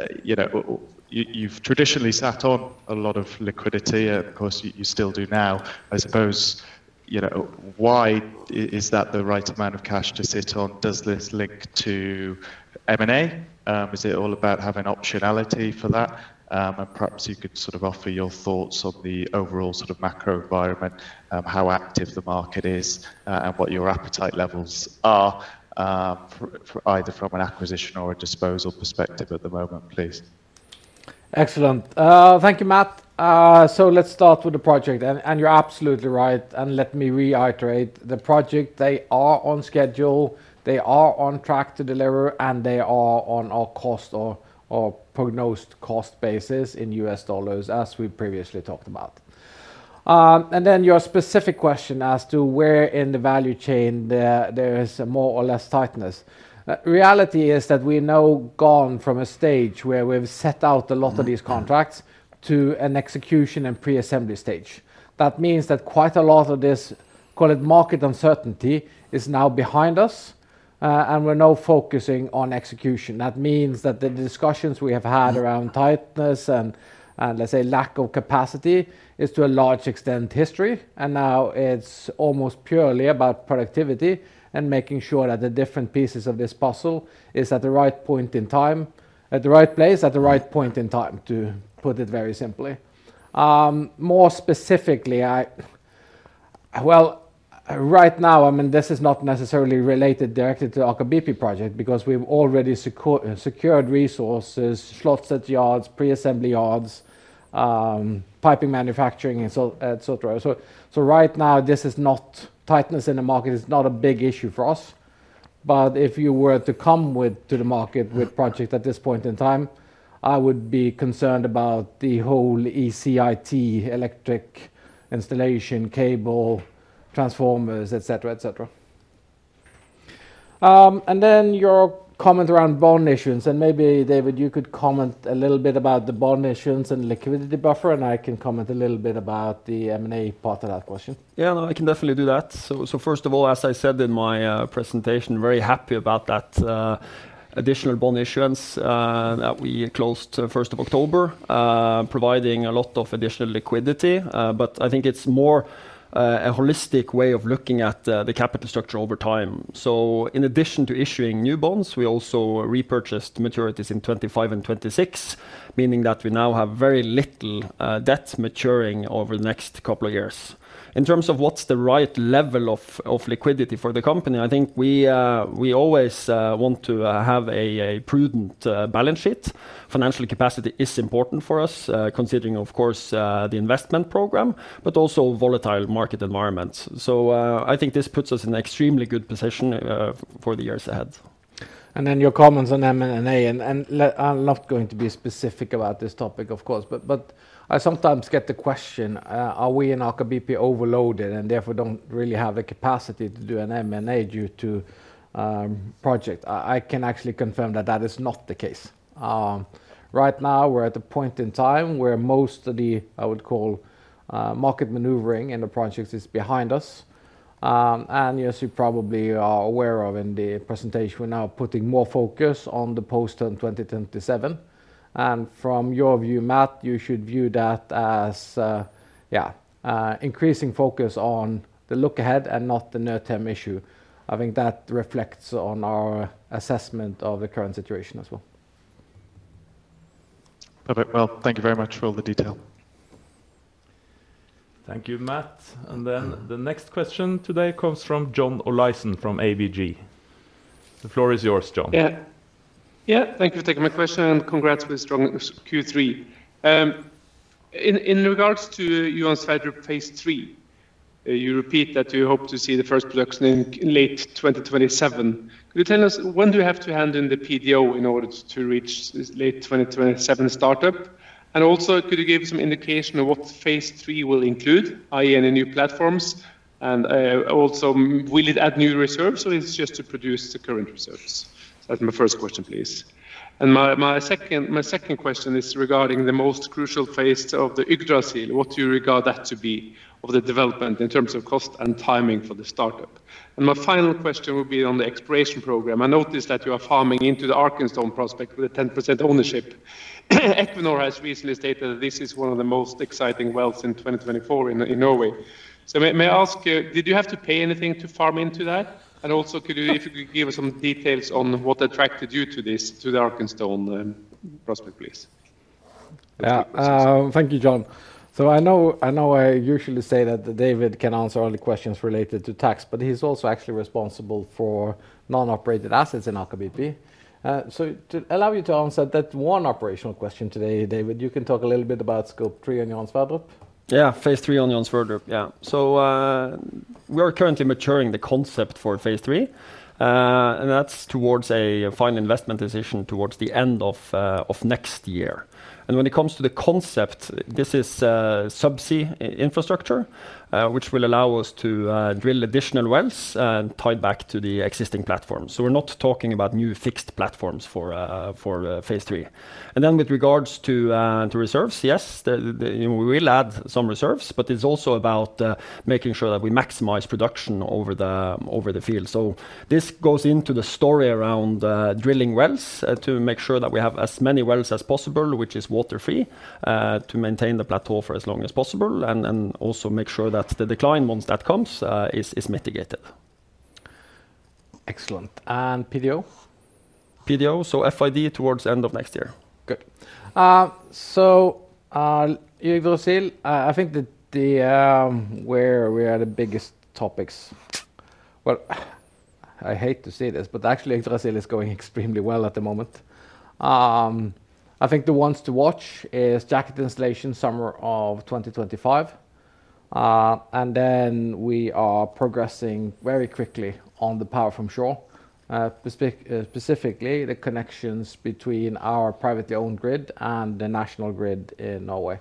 be, you know, you've traditionally sat on a lot of liquidity, and of course, you still do now. I suppose, you know, why is that the right amount of cash to sit on? Does this link to M&A? Is it all about having optionality for that? And perhaps you could sort of offer your thoughts on the overall sort of macro environment, how active the market is, and what your appetite levels are, either from an acquisition or a disposal perspective at the moment, please. Excellent. Thank you, Matt. So let's start with the project. And you're absolutely right. And let me reiterate the project. They are on schedule. They are on track to deliver, and they are on our cost or prognosed cost basis in U.S. dollars, as we previously talked about. And then your specific question as to where in the value chain there is more or less tightness. Reality is that we're now gone from a stage where we've set out a lot of these contracts to an execution and pre-assembly stage. That means that quite a lot of this, call it market uncertainty, is now behind us, and we're now focusing on execution. That means that the discussions we have had around tightness and, let's say, lack of capacity is to a large extent history, and now it's almost purely about productivity and making sure that the different pieces of this puzzle are at the right point in time, at the right place, at the right point in time, to put it very simply. More specifically, well, right now, I mean, this is not necessarily related directly to the Aker BP project because we've already secured resources, slots at yards, pre-assembly yards, piping manufacturing, and so on, so right now, this is not tightness in the market. It's not a big issue for us. But if you were to come to the market with projects at this point in time, I would be concerned about the whole EI&T, electric installation, cable, transformers, et cetera, et cetera. And then your comment around bond issuance. And maybe, David, you could comment a little bit about the bond issuance and liquidity buffer, and I can comment a little bit about the M&A part of that question. Yeah, no, I can definitely do that. So first of all, as I said in my presentation, very happy about that additional bond issuance that we closed 1st of October, providing a lot of additional liquidity. But I think it's more a holistic way of looking at the capital structure over time. So in addition to issuing new bonds, we also repurchased maturities in 2025 and 2026, meaning that we now have very little debt maturing over the next couple of years. In terms of what's the right level of liquidity for the company, I think we always want to have a prudent balance sheet. Financial capacity is important for us, considering, of course, the investment program, but also volatile market environments. So I think this puts us in an extremely good position for the years ahead. And then your comments on M&A, and I'm not going to be specific about this topic, of course, but I sometimes get the question, are we in Aker BP overloaded and therefore don't really have the capacity to do an M&A due to projects? I can actually confirm that that is not the case. Right now, we're at a point in time where most of the, I would call, market maneuvering in the projects is behind us. And as you probably are aware of in the presentation, we're now putting more focus on the post-term 2027. And from your view, Matt, you should view that as, yeah, increasing focus on the look ahead and not the near-term issue. I think that reflects on our assessment of the current situation as well. Perfect. Well, thank you very much for all the detail. Thank you, Matt. And then the next question today comes from John Olaisen from ABG. The floor is yours, John. Yeah, thank you for taking my question and congrats with strong Q3. In regards to Johan Sverdrup, Phase 3, you repeat that you hope to see the first production in late 2027. Could you tell us when do you have to hand in the PDO in order to reach this late 2027 startup? And also, could you give some indication of what Phase 3 will include, i.e., any new platforms? And also, will it add new reserves or is it just to produce the current reserves? That's my first question, please. And my second question is regarding the most crucial phase of the Yggdrasil. What do you regard that to be of the development in terms of cost and timing for the startup? And my final question will be on the exploration program. I noticed that you are farming into the Arkenstone prospect with a 10% ownership. Equinor has recently stated that this is one of the most exciting wells in 2024 in Norway. So may I ask you, did you have to pay anything to farm into that? And also, could you, if you could give us some details on what attracted you to this, to the Arkenstone prospect, please? Yeah, thank you, John. So I know I usually say that David can answer all the questions related to tax, but he's also actually responsible for non-operated assets in Aker BP. So to allow you to answer that one operational question today, David, you can talk a little bit about phase 3 on Johan Sverdrup? Yeah, Phase 3 on Johan Sverdrup, yeah. So we are currently maturing the concept for Phase 3, and that's towards a final investment decision towards the end of next year. And when it comes to the concept, this is subsea infrastructure, which will allow us to drill additional wells and tie back to the existing platform. So we're not talking about new fixed platforms for Phase 3. And then with regards to reserves, yes, we will add some reserves, but it's also about making sure that we maximize production over the field. So this goes into the story around drilling wells to make sure that we have as many wells as possible, which is water-free, to maintain the plateau for as long as possible and also make sure that the decline once that comes is mitigated. Excellent. And PDO? PDO, so FID towards the end of next year. Good. So Yggdrasil, I think that's where we are. The biggest topics. Well, I hate to say this, but actually Yggdrasil is going extremely well at the moment. I think the ones to watch is jacket installation summer of 2025. And then we are progressing very quickly on the power from shore, specifically the connections between our privately owned grid and the national grid in Norway.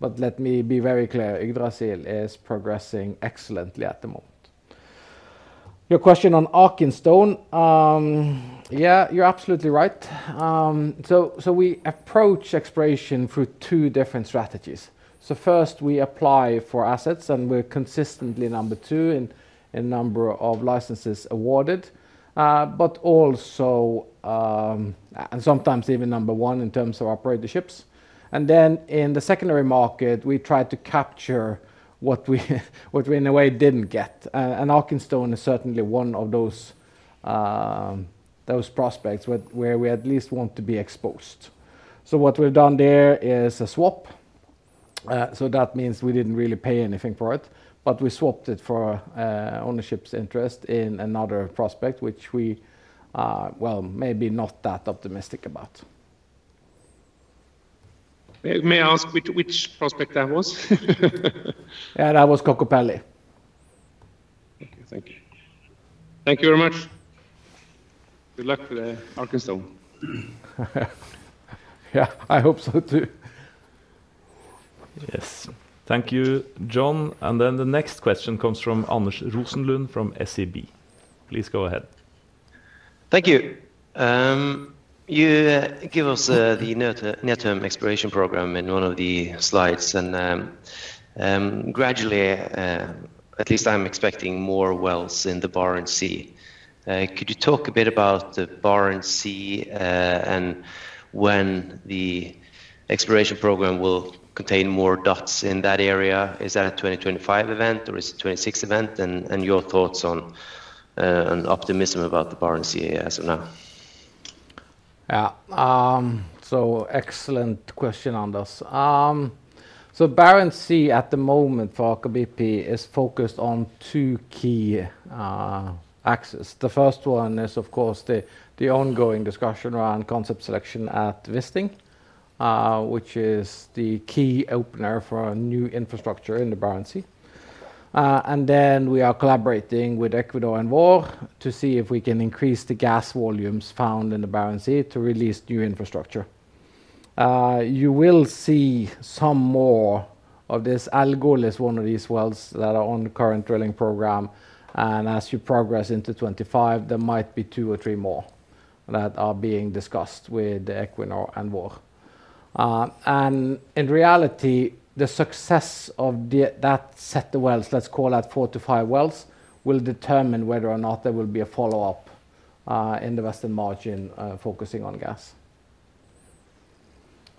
But let me be very clear. Yggdrasil is progressing excellently at the moment. Your question on Arkenstone, yeah, you're absolutely right. We approach exploration through two different strategies. First, we apply for assets and we're consistently number two in number of licenses awarded, but also, and sometimes even number one in terms of operatorships. Then in the secondary market, we try to capture what we in a way didn't get. Arkenstone is certainly one of those prospects where we at least want to be exposed. What we've done there is a swap. That means we didn't really pay anything for it, but we swapped it for ownership interest in another prospect, which we, well, may not be that optimistic about. May I ask which prospect that was? Yeah, that was Kokopelli. Thank you. Thank you very much. Good luck with Arkenstone. Yeah, I hope so too. Yes, thank you, John. And then the next question comes from Anders Rosenlund from SEB. Please go ahead. Thank you. You give us the near-term exploration program in one of the slides, and gradually, at least I'm expecting more wells in the Barents Sea. Could you talk a bit about the Barents Sea and when the exploration program will contain more dots in that area? Is that a 2025 event or is it a 2026 event? And your thoughts on optimism about the Barents Sea as of now? Yeah, so excellent question, Anders. So Barents Sea at the moment for Aker BP is focused on two key assets. The first one is, of course, the ongoing discussion around concept selection at Wisting, which is the key opener for a new infrastructure in the Barents Sea. And then we are collaborating with Equinor and Vår Energi to see if we can increase the gas volumes found in the Barents Sea to release new infrastructure. You will see some more of this. Algol is one of these wells that are on the current drilling program. And as you progress into 2025, there might be two or three more that are being discussed with Equinor and Vår Energi. And in reality, the success of that set of wells, let's call that four to five wells, will determine whether or not there will be a follow-up in the western margin focusing on gas.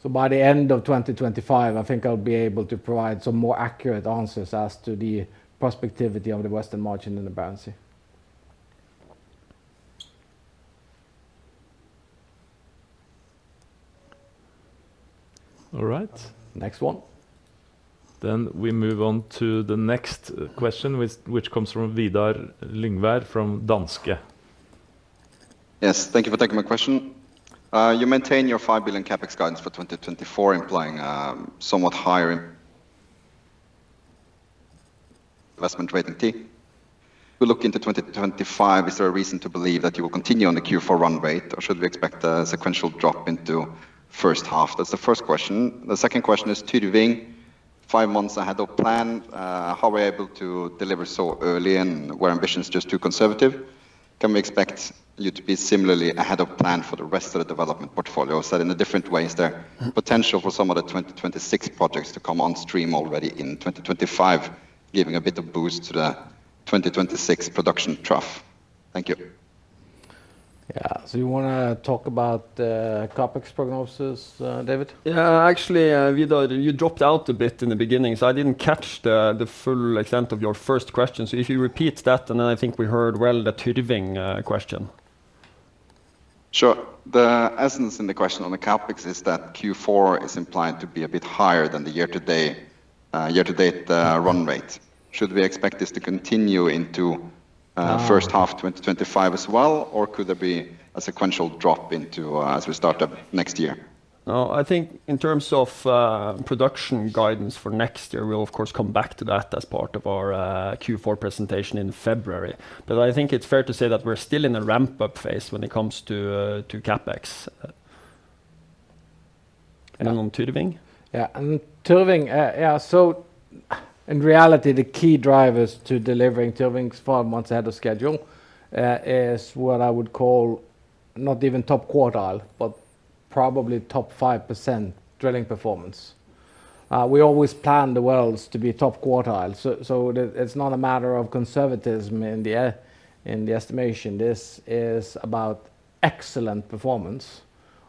So by the end of 2025, I think I'll be able to provide some more accurate answers as to the prospectivity of the western margin in the Barents Sea. All right. Next one. Then we move on to the next question, which comes from Vidar Lyngvær from Danske. Yes, thank you for taking my question. You maintain your 5 billion CAPEX guidance for 2024, implying somewhat higher investment rate into 2025. Is there a reason to believe that you will continue on the Q4 run rate or should we expect a sequential drop into first half? That's the first question. The second question is, Tyrving, five months ahead of plan, how are we able to deliver so early and were ambitions just too conservative? Can we expect you to be similarly ahead of plan for the rest of the development portfolio? Is that in a different way? Is there potential for some of the 2026 projects to come on stream already in 2025, giving a bit of boost to the 2026 production trough? Thank you. Yeah, so you want to talk about CAPEX prognosis, David? Yeah, actually, Vidar, you dropped out a bit in the beginning, so I didn't catch the full extent of your first question. So if you repeat that, and then I think we heard well the Tyrving question. Sure. The essence in the question on the CAPEX is that Q4 is implied to be a bit higher than the year-to-date run rate. Should we expect this to continue into first half 2025 as well, or could there be a sequential drop into as we start up next year? No, I think in terms of production guidance for next year, we'll of course come back to that as part of our Q4 presentation in February. But I think it's fair to say that we're still in a ramp-up phase when it comes to CAPEX. And on Tyrving? Yeah, and Tyrving, yeah, so in reality, the key drivers to delivering Tyrving's five months ahead of schedule is what I would call not even top quartile, but probably top 5% drilling performance. We always plan the wells to be top quartile. So it's not a matter of conservatism in the estimation. This is about excellent performance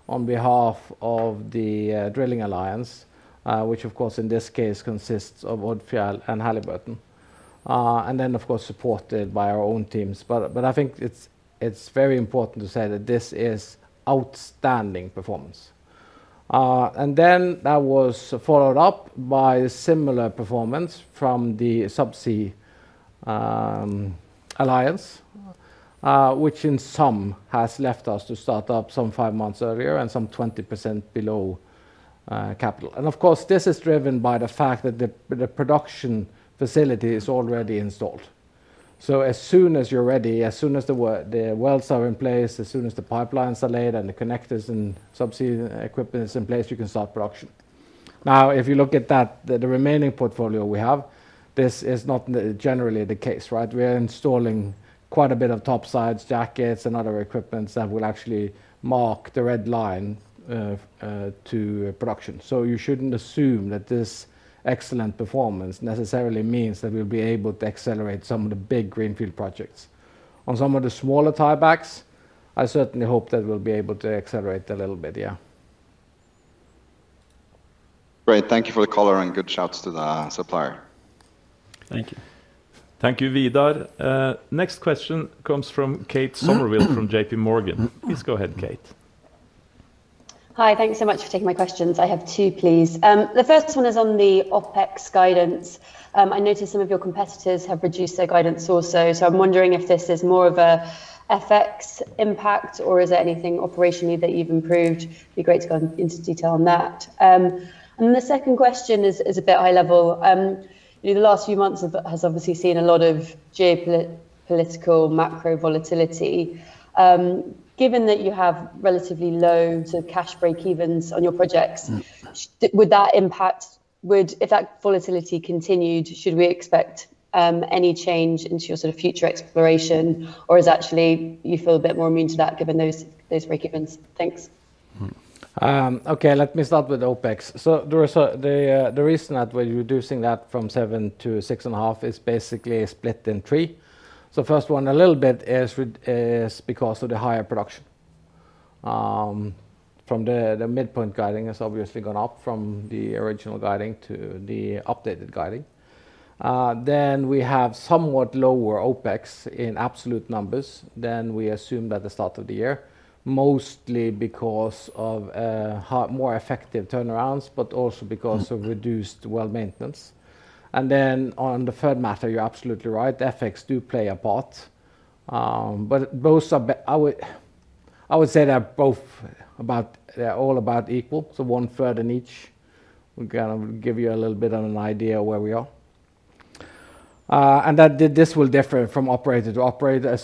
on behalf of the Drilling Alliance, which of course in this case consists of Odfjell and Halliburton, and then of course supported by our own teams. But I think it's very important to say that this is outstanding performance. That was followed up by similar performance from the Subsea Alliance, which in some has left us to start up some five months earlier and some 20% below CAPEX. Of course, this is driven by the fact that the production facility is already installed. So as soon as you're ready, as soon as the wells are in place, as soon as the pipelines are laid and the connectors and subsea equipment is in place, you can start production. Now, if you look at that, the remaining portfolio we have, this is not generally the case, right? We are installing quite a bit of topsides, jackets, and other equipment that will actually mark the red line to production. So you shouldn't assume that this excellent performance necessarily means that we'll be able to accelerate some of the big greenfield projects. On some of the smaller tiebacks, I certainly hope that we'll be able to accelerate a little bit, yeah. Great. Thank you for the color and good shout to the supplier. Thank you. Thank you, Vidar. Next question comes from Kate Somerville from J.P. Morgan. Please go ahead, Kate. Hi, thank you so much for taking my questions. I have two, please. The first one is on the OPEX guidance. I noticed some of your competitors have reduced their guidance also. So I'm wondering if this is more of an FX impact or is there anything operationally that you've improved? It'd be great to go into detail on that. And then the second question is a bit high level. The last few months have obviously seen a lot of geopolitical macro volatility. Given that you have relatively low sort of cash break-evens on your projects, would that impact, would if that volatility continued, should we expect any change into your sort of future exploration or is actually you feel a bit more immune to that given those break-evens? Thanks. Okay, let me start with OPEX. So the reason that we're reducing that from seven to six and a half is basically split in three. So first one, a little bit is because of the higher production. From the midpoint guidance has obviously gone up from the original guidance to the updated guidance. Then we have somewhat lower OPEX in absolute numbers than we assumed at the start of the year, mostly because of more effective turnarounds, but also because of reduced well maintenance. And then on the third matter, you're absolutely right. FX do play a part. But both are, I would say they're both about, they're all about equal. So one third in each will kind of give you a little bit of an idea of where we are. That this will differ from operator to operator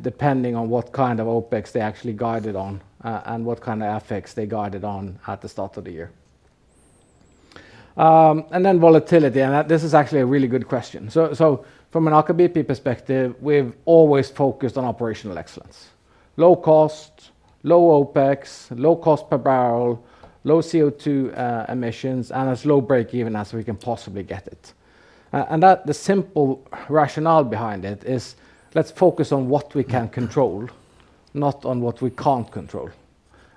depending on what kind of OPEX they actually guided on and what kind of FX they guided on at the start of the year. And then volatility, and this is actually a really good question. So from an Aker BP perspective, we've always focused on operational excellence. Low cost, low OPEX, low cost per barrel, low CO2 emissions, and as low break-even as we can possibly get it. And that the simple rationale behind it is let's focus on what we can control, not on what we can't control.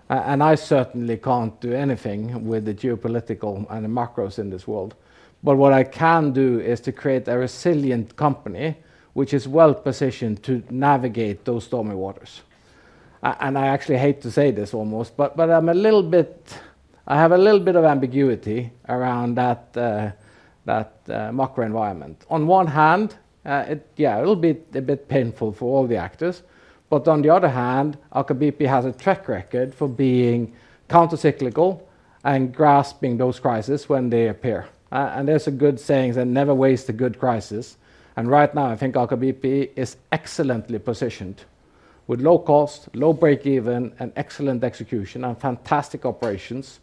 And I certainly can't do anything with the geopolitical and the macros in this world. But what I can do is to create a resilient company, which is well positioned to navigate those stormy waters. And I actually hate to say this almost, but I'm a little bit. I have a little bit of ambiguity around that macro environment. On one hand, yeah, it'll be a bit painful for all the actors. But on the other hand, Aker BP has a track record for being countercyclical and grasping those crises when they appear. And there's a good saying that never wastes a good crisis. And right now, I think Aker BP is excellently positioned with low cost, low break-even, and excellent execution and fantastic operations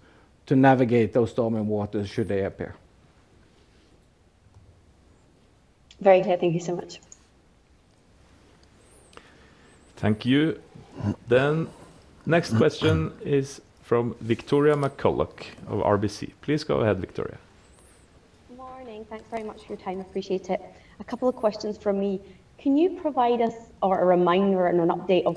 to navigate those stormy waters should they appear. Very clear. Thank you so much. Thank you. Then next question is from Victoria McCulloch of RBC. Please go ahead, Victoria. Good morning. Thanks very much for your time. Appreciate it. A couple of questions from me. Can you provide us a reminder and an update of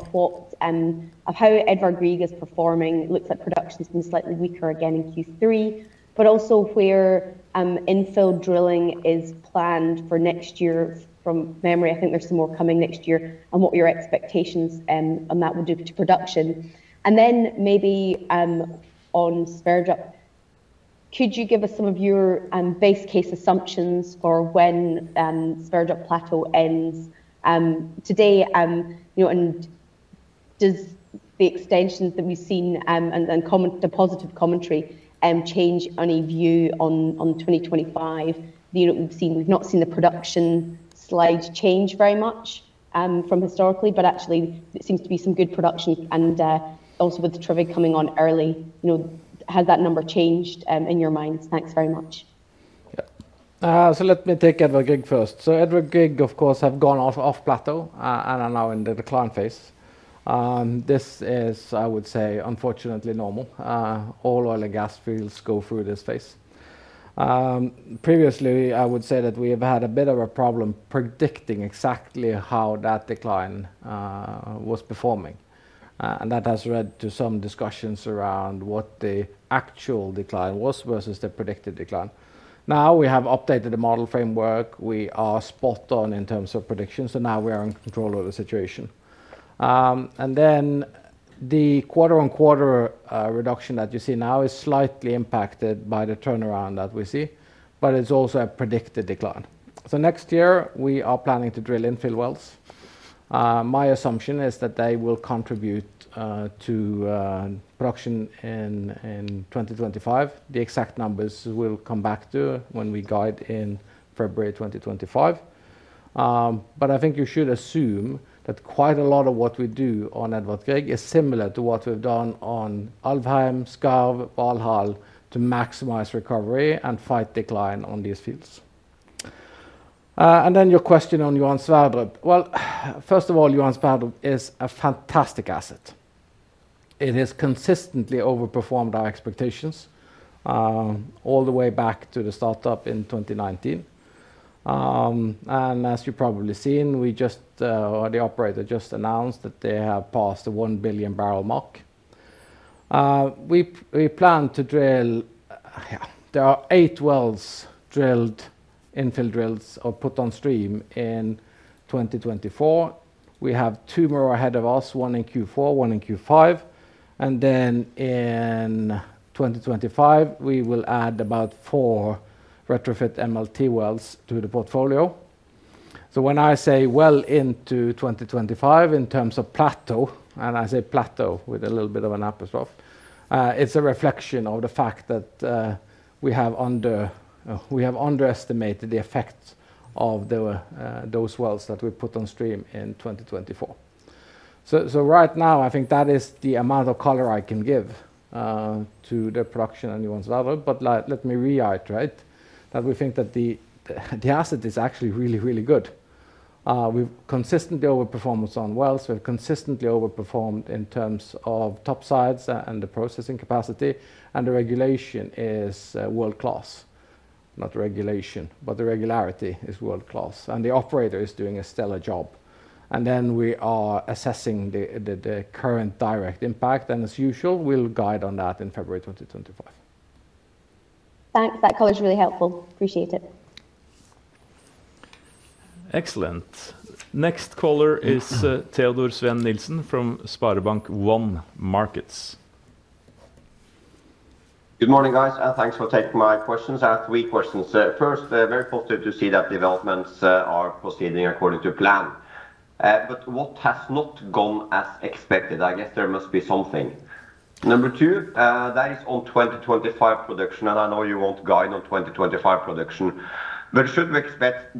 how Edvard Grieg is performing? It looks like production's been slightly weaker again in Q3, but also where infill drilling is planned for next year from memory. I think there's some more coming next year and what your expectations on that would do to production. Then maybe on Valhall, could you give us some of your base case assumptions for when Valhall plateau ends today? Does the extensions that we've seen and the positive commentary change any view on 2025? We've seen, we've not seen the production slide change very much from historically, but actually it seems to be some good production. Also with Tyrving coming on early, has that number changed in your minds? Thanks very much. Yeah. So let me take Edvard Grieg first. Edvard Grieg, of course, have gone off of plateau and are now in the decline phase. This is, I would say, unfortunately normal. All oil and gas fields go through this phase. Previously, I would say that we have had a bit of a problem predicting exactly how that decline was performing, and that has led to some discussions around what the actual decline was versus the predicted decline. Now we have updated the model framework. We are spot on in terms of prediction, so now we are in control of the situation, and then the quarter-on-quarter reduction that you see now is slightly impacted by the turnaround that we see, but it's also a predicted decline, so next year, we are planning to drill infill wells. My assumption is that they will contribute to production in 2025. The exact numbers will come back to when we guide in February 2025. But I think you should assume that quite a lot of what we do on Edvard Grieg is similar to what we've done on Alvheim, Skarv, Valhall to maximize recovery and fight decline on these fields. And then your question on Johan Sverdrup. Well, first of all, Johan Sverdrup is a fantastic asset. It has consistently overperformed our expectations all the way back to the startup in 2019. And as you've probably seen, we just, or the operator just announced that they have passed the 1 billion barrel mark. We plan to drill, yeah, there are eight infill wells drilled or put on stream in 2024. We have two more ahead of us, one in Q4, one in Q1. And then in 2025, we will add about four retrofit MLT wells to the portfolio. So when I say well into 2025 in terms of Plateau, and I say Plateau with a little bit of an apostrophe, it's a reflection of the fact that we have underestimated the effect of those wells that we put on stream in 2024. So right now, I think that is the amount of color I can give to the production and Johan Sverdrup. But let me reiterate that we think that the asset is actually really, really good. We've consistently overperformed on wells. We've consistently overperformed in terms of topsides and the processing capacity. And the regulation is world-class. Not regulation, but the regularity is world-class. And the operator is doing a stellar job. And then we are assessing the current direct impact. And as usual, we'll guide on that in February 2025. Thanks. That coverage is really helpful. Appreciate it. Excellent. Next caller is Teodor Sveen-Nilsen from SpareBank 1 Markets. Good morning, guys. And thanks for taking my questions. I have three questions. First, very positive to see that developments are proceeding according to plan. But what has not gone as expected? I guess there must be something. Number two, that is on 2025 production, and I know you won't guide on 2025 production. But should we expect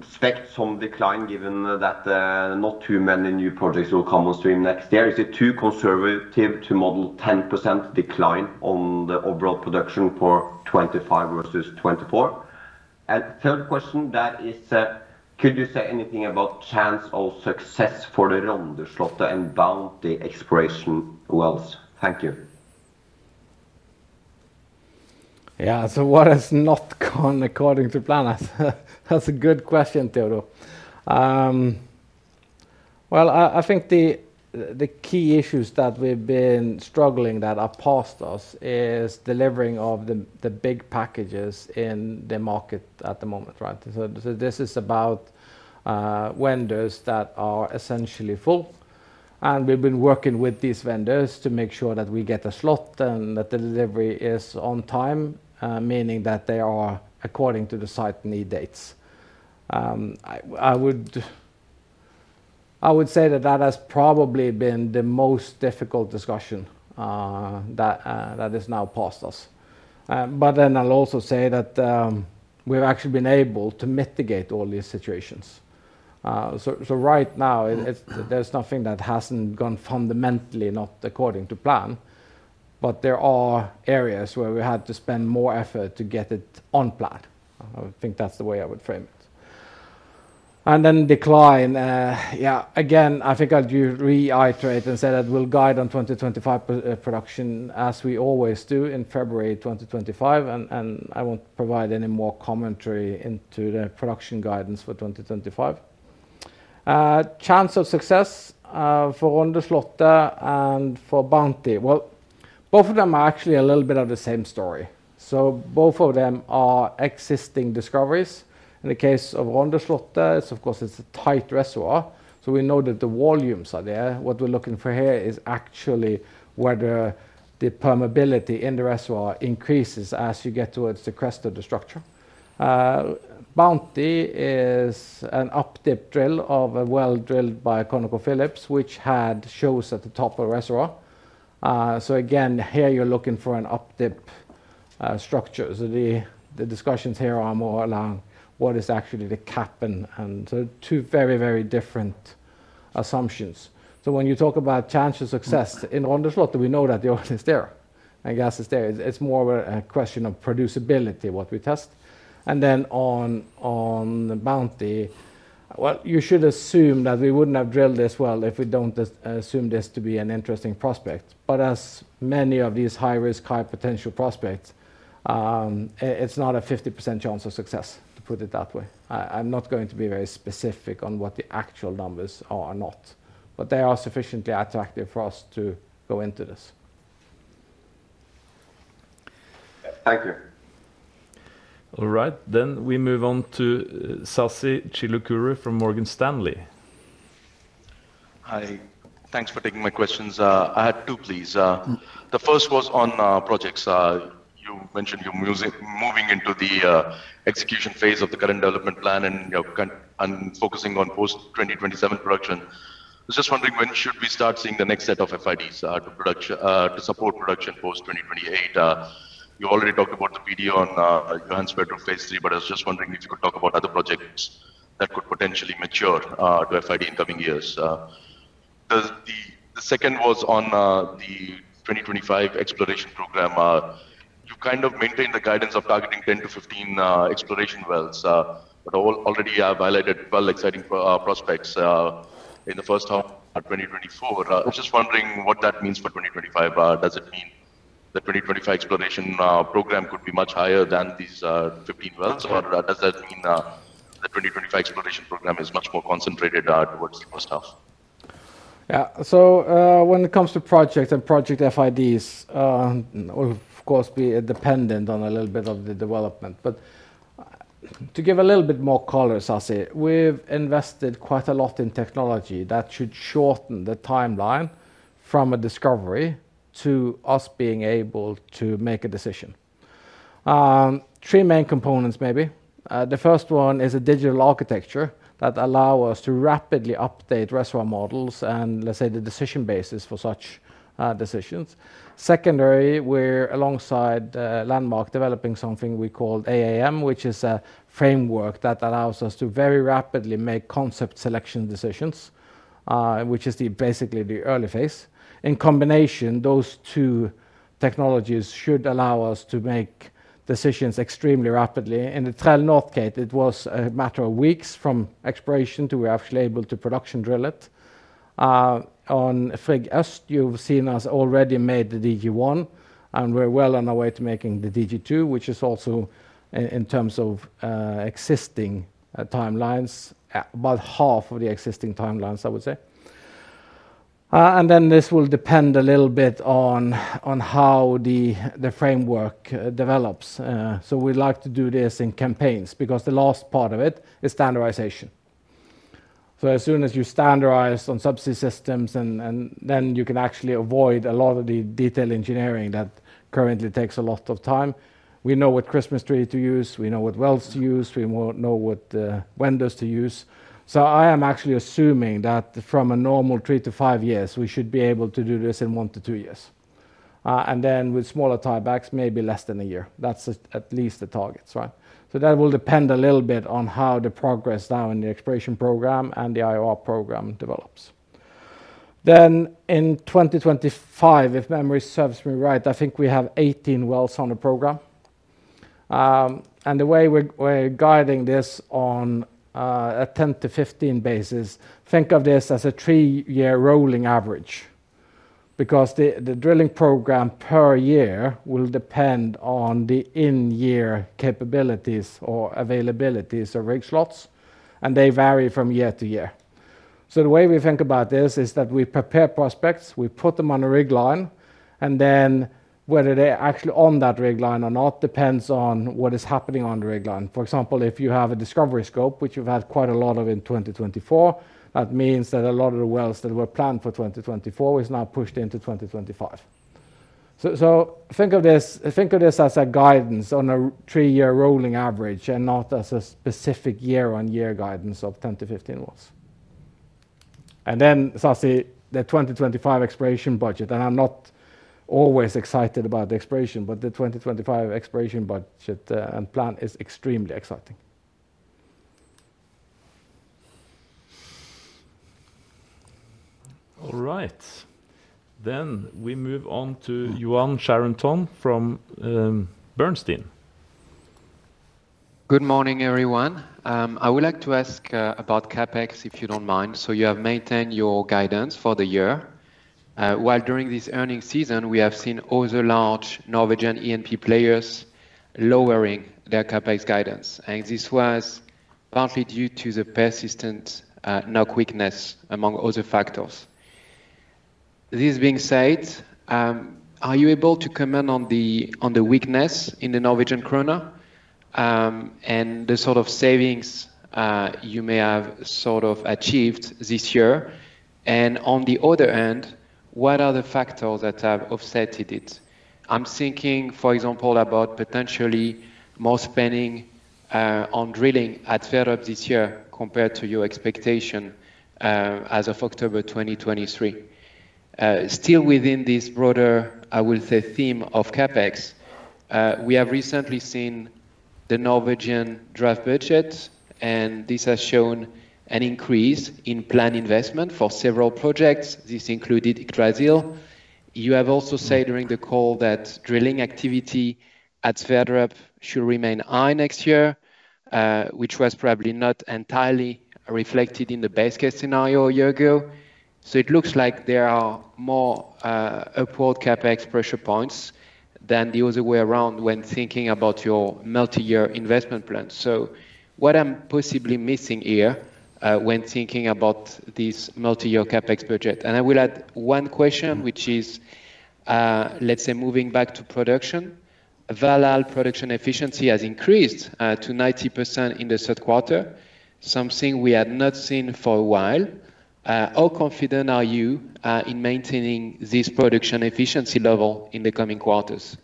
some decline given that not too many new projects will come on stream next year? Is it too conservative to model 10% decline on the overall production for 2025 versus 2024? And third question, that is, could you say anything about chance of success for the Rondeslottet and Bounty exploration wells? Thank you. Yeah, so that has not gone according to plan? That's a good question, Teodor. Well, I think the key issues that we've been struggling that are past us is delivering of the big packages in the market at the moment, right? So this is about vendors that are essentially full. And we've been working with these vendors to make sure that we get a slot and that the delivery is on time, meaning that they are according to the site need dates. I would say that that has probably been the most difficult discussion that is now past us. But then I'll also say that we've actually been able to mitigate all these situations. So right now, there's nothing that hasn't gone fundamentally not according to plan, but there are areas where we had to spend more effort to get it on plan. I think that's the way I would frame it. And then decline. Yeah, again, I think I'll reiterate and say that we'll guide on 2025 production as we always do in February 2025, and I won't provide any more commentary into the production guidance for 2025. Chance of success for Rondeslottet and for Bounty? Both of them are actually a little bit of the same story. So both of them are existing discoveries. In the case of Rondeslottet, of course, it's a tight reservoir. So we know that the volumes are there. What we're looking for here is actually where the permeability in the reservoir increases as you get towards the crest of the structure. Bounty is an updip drill of a well drilled by ConocoPhillips, which had shows at the top of the reservoir. So again, here you're looking for an updip structure. So the discussions here are more along what is actually the cap. And so two very, very different assumptions. So when you talk about chance of success in Rondeslottet, we know that the oil is there and gas is there. It's more of a question of producibility, what we test. And then on Bounty, well, you should assume that we wouldn't have drilled this well if we don't assume this to be an interesting prospect. But as many of these high-risk, high-potential prospects, it's not a 50% chance of success, to put it that way. I'm not going to be very specific on what the actual numbers are or not, but they are sufficiently attractive for us to go into this. Thank you. All right. Then we move on to Sasi Chilukuru from Morgan Stanley. Hi. Thanks for taking my questions. I had two, please. The first was on projects. You mentioned you're moving into the execution phase of the current development plan and focusing on post-2027 production. I was just wondering, when should we start seeing the next set of FIDs to support production post-2028? You already talked about the PDO on Johan Sverdrup Phase 3, but I was just wondering if you could talk about other projects that could potentially mature to FID in coming years. The second was on the 2025 exploration program. You kind of maintained the guidance of targeting 10-15 exploration wells, but already you have highlighted 12 exciting prospects in the first half of 2024. I was just wondering what that means for 2025. Does it mean the 2025 exploration program could be much higher than these 15 wells, or does that mean the 2025 exploration program is much more concentrated towards the first half? Yeah. So when it comes to projects and project FIDs, of course, we are dependent on a little bit of the development. But to give a little bit more color, Sasi, we've invested quite a lot in technology that should shorten the timeline from a discovery to us being able to make a decision. Three main components, maybe. The first one is a digital architecture that allows us to rapidly update reservoir models and, let's say, the decision basis for such decisions. Secondary, we're, alongside Landmark, developing something we call AAM, which is a framework that allows us to very rapidly make concept selection decisions, which is basically the early phase. In combination, those two technologies should allow us to make decisions extremely rapidly. In the Trell Nord case, it was a matter of weeks from exploration to we're actually able to production drill it. On Frigg Øst, you've seen us already made the DG1, and we're well on our way to making the DG2, which is also, in terms of existing timelines, about half of the existing timelines, I would say. And then this will depend a little bit on how the framework develops. So we'd like to do this in campaigns because the last part of it is standardization. So as soon as you standardize on subsea systems, and then you can actually avoid a lot of the detailed engineering that currently takes a lot of time. We know what Christmas tree to use. We know what wells to use. We know what windows to use. So I am actually assuming that from a normal three to five years, we should be able to do this in one to two years. And then with smaller tiebacks, maybe less than a year. That's at least the targets, right? So that will depend a little bit on how the progress now in the exploration program and the IOR program develops. Then in 2025, if memory serves me right, I think we have 18 wells on the program. And the way we're guiding this on a 10-15 basis, think of this as a three-year rolling average because the drilling program per year will depend on the in-year capabilities or availabilities of rig slots, and they vary from year to year. So the way we think about this is that we prepare prospects, we put them on a rig line, and then whether they're actually on that rig line or not depends on what is happening on the rig line. For example, if you have a discovery scope, which we've had quite a lot of in 2024, that means that a lot of the wells that were planned for 2024 is now pushed into 2025. So think of this as a guidance on a three-year rolling average and not as a specific year-on-year guidance of 10 to 15 wells. And then, Sasi, the 2025 exploration budget, and I'm not always excited about the exploration, but the 2025 exploration budget and plan is extremely exciting. All right. Then we move on to Yoann Charenton from Bernstein. Good morning, everyone. I would like to ask about CapEx, if you don't mind. So you have maintained your guidance for the year. While, during this earnings season, we have seen other large Norwegian E&P players lowering their CapEx guidance. And this was partly due to the persistent NOK weakness among other factors. This being said, are you able to comment on the weakness in the Norwegian kroner and the sort of savings you may have sort of achieved this year? And on the other end, what are the factors that have offset it? I'm thinking, for example, about potentially more spending on drilling at Sverdrup this year compared to your expectation as of October 2023. Still within this broader, I will say, theme of CapEx, we have recently seen the Norwegian draft budget, and this has shown an increase in planned investment for several projects. This included Yggdrasil. You have also said during the call that drilling activity at Sverdrup should remain high next year, which was probably not entirely reflected in the base case scenario a year ago. So it looks like there are more upward CapEx pressure points than the other way around when thinking about your multi-year investment plan. So what I'm possibly missing here when thinking about this multi-year CapEx budget? And I will add one question, which is, let's say, moving back to production. Valhall production efficiency has increased to 90% in the third quarter, something we had not seen for a while. How confident are you in maintaining this production efficiency level in the coming quarters?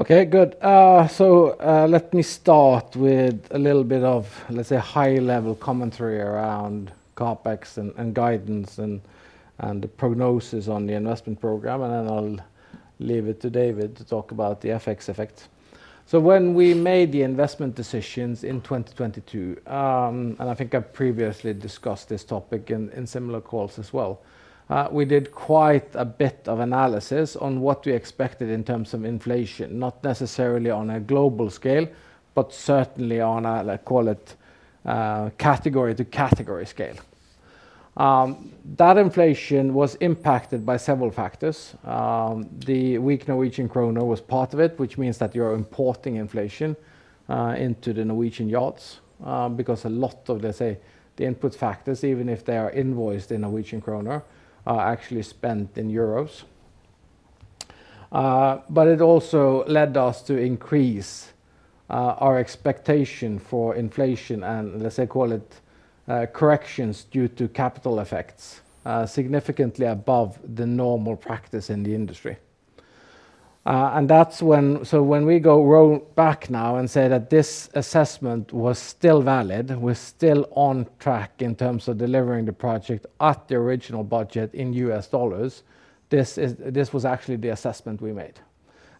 Okay, good. So let me start with a little bit of, let's say, high-level commentary around CapEx and guidance and the prognosis on the investment program. And then I'll leave it to David to talk about the FX effect. So when we made the investment decisions in 2022, and I think I've previously discussed this topic in similar calls as well, we did quite a bit of analysis on what we expected in terms of inflation, not necessarily on a global scale, but certainly on a, let's call it, category-to-category scale. That inflation was impacted by several factors. The weak Norwegian kroner was part of it, which means that you're importing inflation into the Norwegian yards because a lot of, let's say, the input factors, even if they are invoiced in Norwegian kroner, are actually spent in euros. But it also led us to increase our expectation for inflation and, let's say, call it corrections due to capital effects significantly above the normal practice in the industry. And so when we go roll back now and say that this assessment was still valid, we're still on track in terms of delivering the project at the original budget in US dollars, this was actually the assessment we made.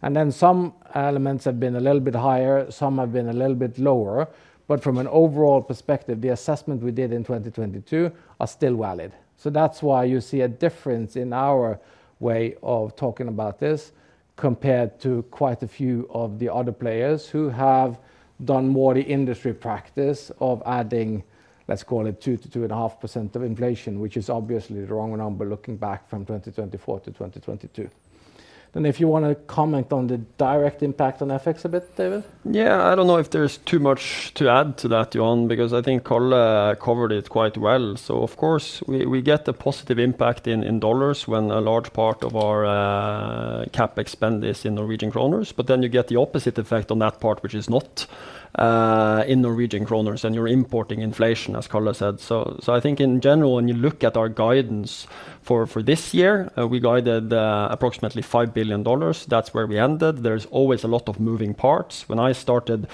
And then some elements have been a little bit higher, some have been a little bit lower, but from an overall perspective, the assessment we did in 2022 are still valid. So that's why you see a difference in our way of talking about this compared to quite a few of the other players who have done more the industry practice of adding, let's call it, 2-2.5% of inflation, which is obviously the wrong number looking back from 2024 to 2022. Then if you want to comment on the direct impact on FX a bit, David? Yeah, I don't know if there's too much to add to that, Yuan, because I think Kalle covered it quite well. So of course, we get a positive impact in dollars when a large part of our CAPEX spend is in Norwegian kroners, but then you get the opposite effect on that part, which is not in Norwegian kroners, and you're importing inflation, as Kalle said. So I think in general, when you look at our guidance for this year, we guided approximately $5 billion. That's where we ended. There's always a lot of moving parts. When I started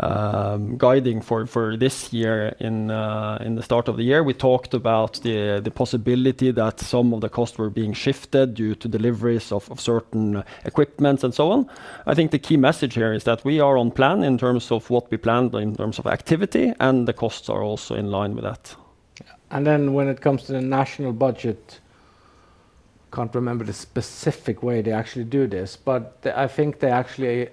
guiding for this year in the start of the year, we talked about the possibility that some of the costs were being shifted due to deliveries of certain equipment and so on. I think the key message here is that we are on plan in terms of what we planned in terms of activity, and the costs are also in line with that. And then when it comes to the national budget, I can't remember the specific way they actually do this, but I think they actually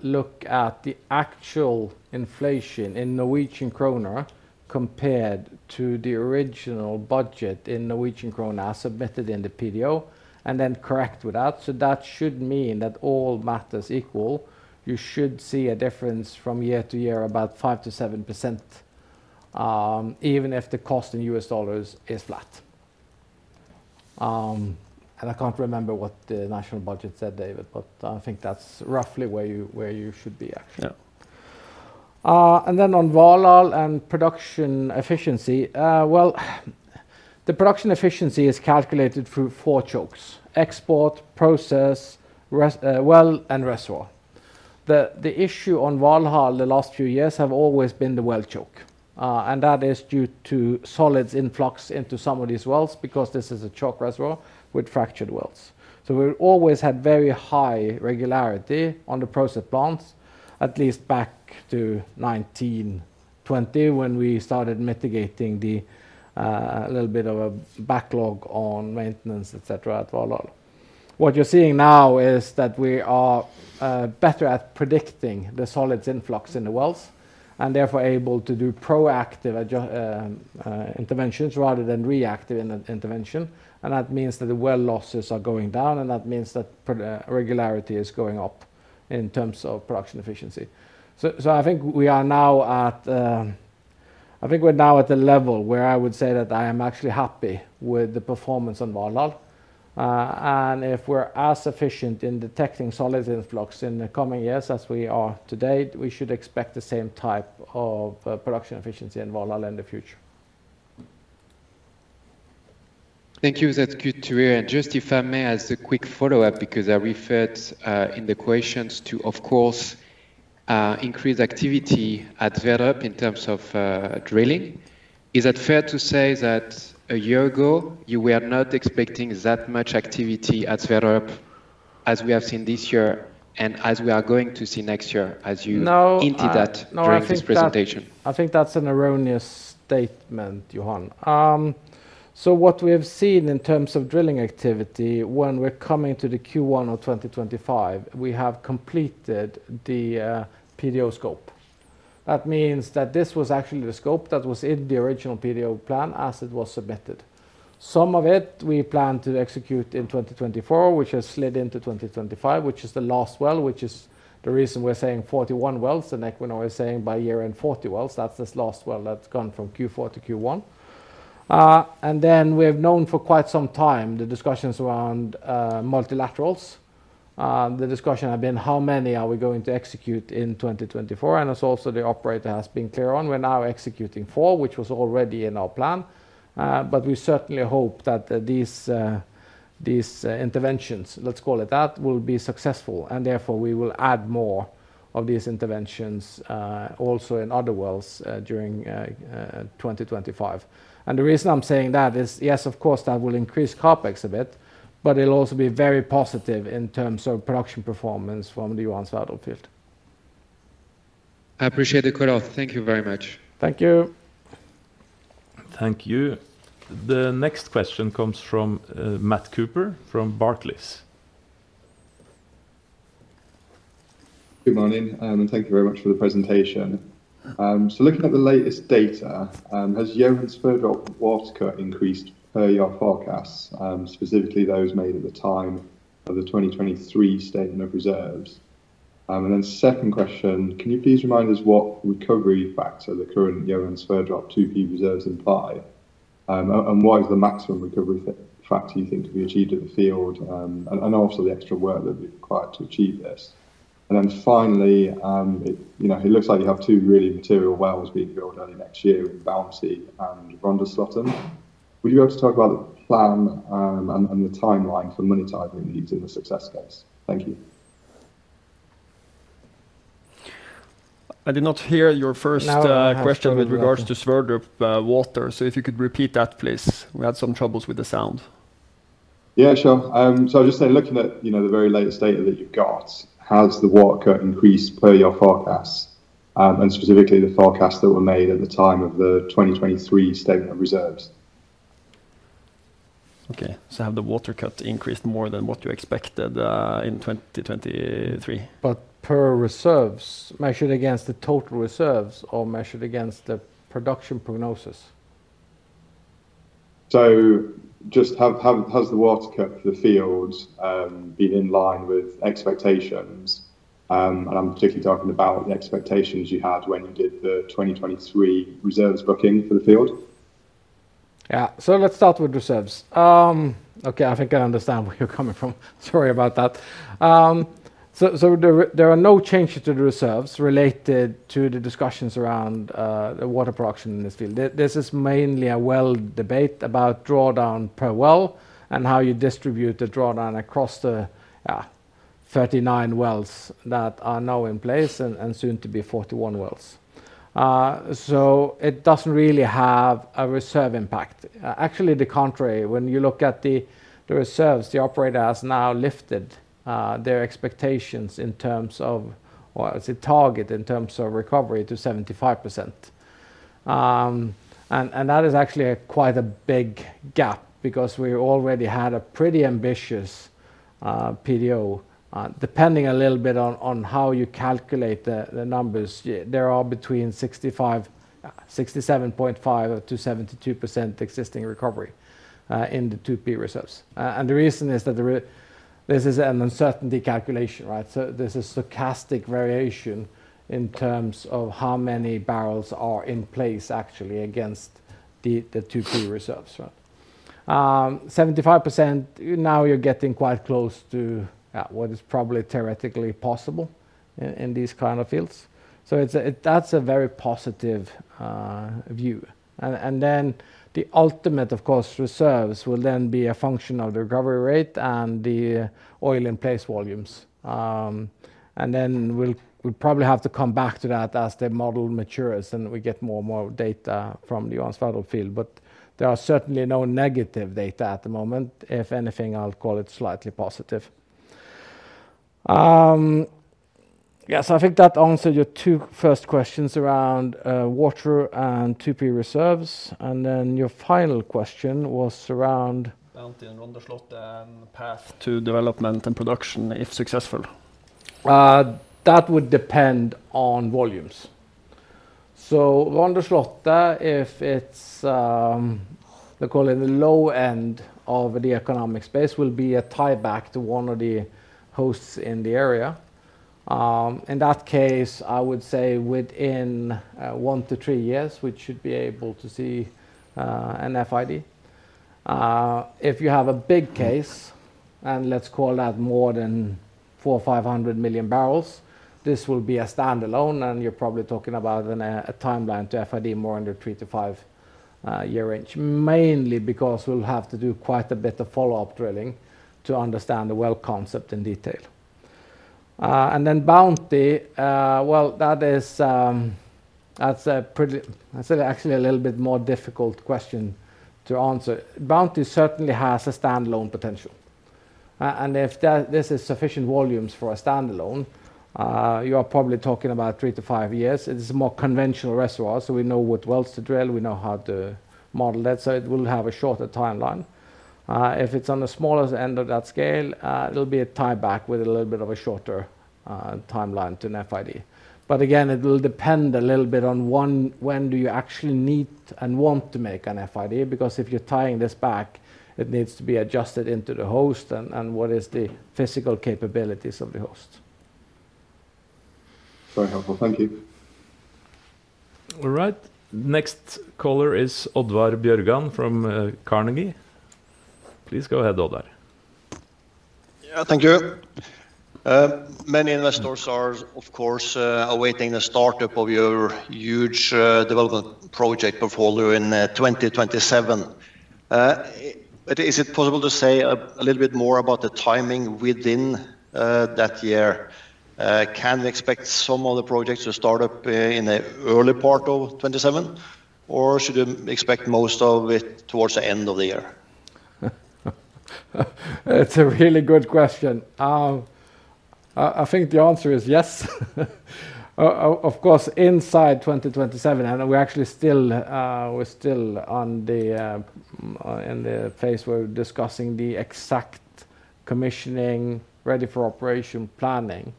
look at the actual inflation in Norwegian kroner compared to the original budget in Norwegian kroner as submitted in the PDO and then correct with that. So that should mean that all matters equal. You should see a difference from year to year about 5%-7%, even if the cost in U.S. dollars is flat. And I can't remember what the national budget said, David, but I think that's roughly where you should be, actually. And then on Valhall and production efficiency, well, the production efficiency is calculated through four chokes: export, process, well, and reservoir. The issue on Valhall the last few years has always been the well choke, and that is due to solids influx into some of these wells because this is a chalk reservoir with fractured wells. So we always had very high regularity on the process plants, at least back to 2020 when we started mitigating the little bit of a backlog on maintenance, et cetera, at Valhall. What you're seeing now is that we are better at predicting the solids influx in the wells and therefore able to do proactive interventions rather than reactive intervention. And that means that the well losses are going down, and that means that regularity is going up in terms of production efficiency. I think we're now at a level where I would say that I am actually happy with the performance on Valhall. And if we're as efficient in detecting solids influx in the coming years as we are today, we should expect the same type of production efficiency in Valhall in the future. Thank you. That's good to hear. And just if I may, as a quick follow-up, because I referred in the questions to, of course, increased activity at Sverdrup in terms of drilling, is it fair to say that a year ago you were not expecting that much activity at Sverdrup as we have seen this year and as we are going to see next year as you hinted at during this presentation? I think that's an erroneous statement, Yoann. So, what we have seen in terms of drilling activity when we're coming to the Q1 of 2025, we have completed the PDO scope. That means that this was actually the scope that was in the original PDO plan as it was submitted. Some of it we plan to execute in 2024, which has slid into 2025, which is the last well, which is the reason we're saying 41 wells, and Equinor is saying by year-end 40 wells. That's this last well that's gone from Q4 to Q1. And then we have known for quite some time the discussions around multilaterals. The discussion has been, how many are we going to execute in 2024? And it's also the operator has been clear on. We're now executing four, which was already in our plan. But we certainly hope that these interventions, let's call it that, will be successful, and therefore we will add more of these interventions also in other wells during 2025. And the reason I'm saying that is, yes, of course, that will increase CapEx a bit, but it'll also be very positive in terms of production performance from the Johan Sverdrup field. I appreciate the cutoff. Thank you very much. Thank you. Thank you. The next question comes from Matt Cooper from Barclays. Good morning, and thank you very much for the presentation. So looking at the latest data, has Johan Sverdrup water cut increased per your forecasts, specifically those made at the time of the 2023 statement of reserves? And then second question, can you please remind us what recovery factor the current Johan Sverdrup 2P reserves imply? And what is the maximum recovery factor you think to be achieved at the field? And also the extra work that would be required to achieve this? And then finally, it looks like you have two really material wells being drilled early next year in Bounty and Rondeslottet. Would you be able to talk about the plan and the timeline for monetizing needs in the success case? Thank you. I did not hear your first question with regards to Johan Sverdrup water. So if you could repeat that, please. We had some troubles with the sound. Yeah, sure. So I'll just say looking at the very latest data that you've got, has the water cut increased per your forecasts? And specifically the forecasts that were made at the time of the 2023 statement of reserves? Okay. So have the water cut increased more than what you expected in 2023? But per reserves, measured against the total reserves or measured against the production prognosis? So, just has the water cut for the field been in line with expectations? And I'm particularly talking about the expectations you had when you did the 2023 reserves booking for the field. Yeah. So let's start with reserves. Okay, I think I understand where you're coming from. Sorry about that. So there are no changes to the reserves related to the discussions around the water production in this field. This is mainly a well debate about drawdown per well and how you distribute the drawdown across the 39 wells that are now in place and soon to be 41 wells. So it doesn't really have a reserve impact. Actually, the contrary, when you look at the reserves, the operator has now lifted their expectations in terms of, well, it's a target in terms of recovery to 75%. That is actually quite a big gap because we already had a pretty ambitious PDO, depending a little bit on how you calculate the numbers. There are between 67.5%-72% existing recovery in the 2P reserves. And the reason is that this is an uncertainty calculation, right? So there's a stochastic variation in terms of how many barrels are in place actually against the 2P reserves. 75%, now you're getting quite close to what is probably theoretically possible in these kinds of fields. So that's a very positive view. And then the ultimate, of course, reserves will then be a function of the recovery rate and the oil-in-place volumes. And then we'll probably have to come back to that as the model matures and we get more and more data from the Johan Sverdrup field. But there are certainly no negative data at the moment. If anything, I'll call it slightly positive. Yes, I think that answered your two first questions around water and 2P reserves. And then your final question was around Bounty and Rondeslottet and path to development and production if successful. That would depend on volumes. So Rondeslottet, if it's, they call it the low end of the economic space, will be a tieback to one of the hosts in the area. In that case, I would say within one to three years, we should be able to see an FID. If you have a big case, and let's call that more than four or five hundred million barrels, this will be a standalone, and you're probably talking about a timeline to FID more in the three to five year range, mainly because we'll have to do quite a bit of follow-up drilling to understand the well concept in detail. And then Bounty, well, that's actually a little bit more difficult question to answer. Bounty certainly has a standalone potential. And if this is sufficient volumes for a standalone, you are probably talking about three-to-five years. It is a more conventional reservoir, so we know what wells to drill, we know how to model that, so it will have a shorter timeline. If it's on the smallest end of that scale, it'll be a tieback with a little bit of a shorter timeline to an FID. But again, it will depend a little bit on when do you actually need and want to make an FID, because if you're tying this back, it needs to be adjusted into the host and what is the physical capabilities of the host. Very helpful. Thank you. All right. Next caller is Oddvar Bjørgan from Carnegie. Please go ahead, Oddvar. Yeah, thank you. Many investors are, of course, awaiting the startup of your huge development project portfolio in 2027. Is it possible to say a little bit more about the timing within that year? Can we expect some of the projects to start up in the early part of 2027, or should we expect most of it towards the end of the year? It's a really good question. I think the answer is yes. Of course, inside 2027, and we're still on the phase where we're discussing the exact commissioning, ready for operation planning.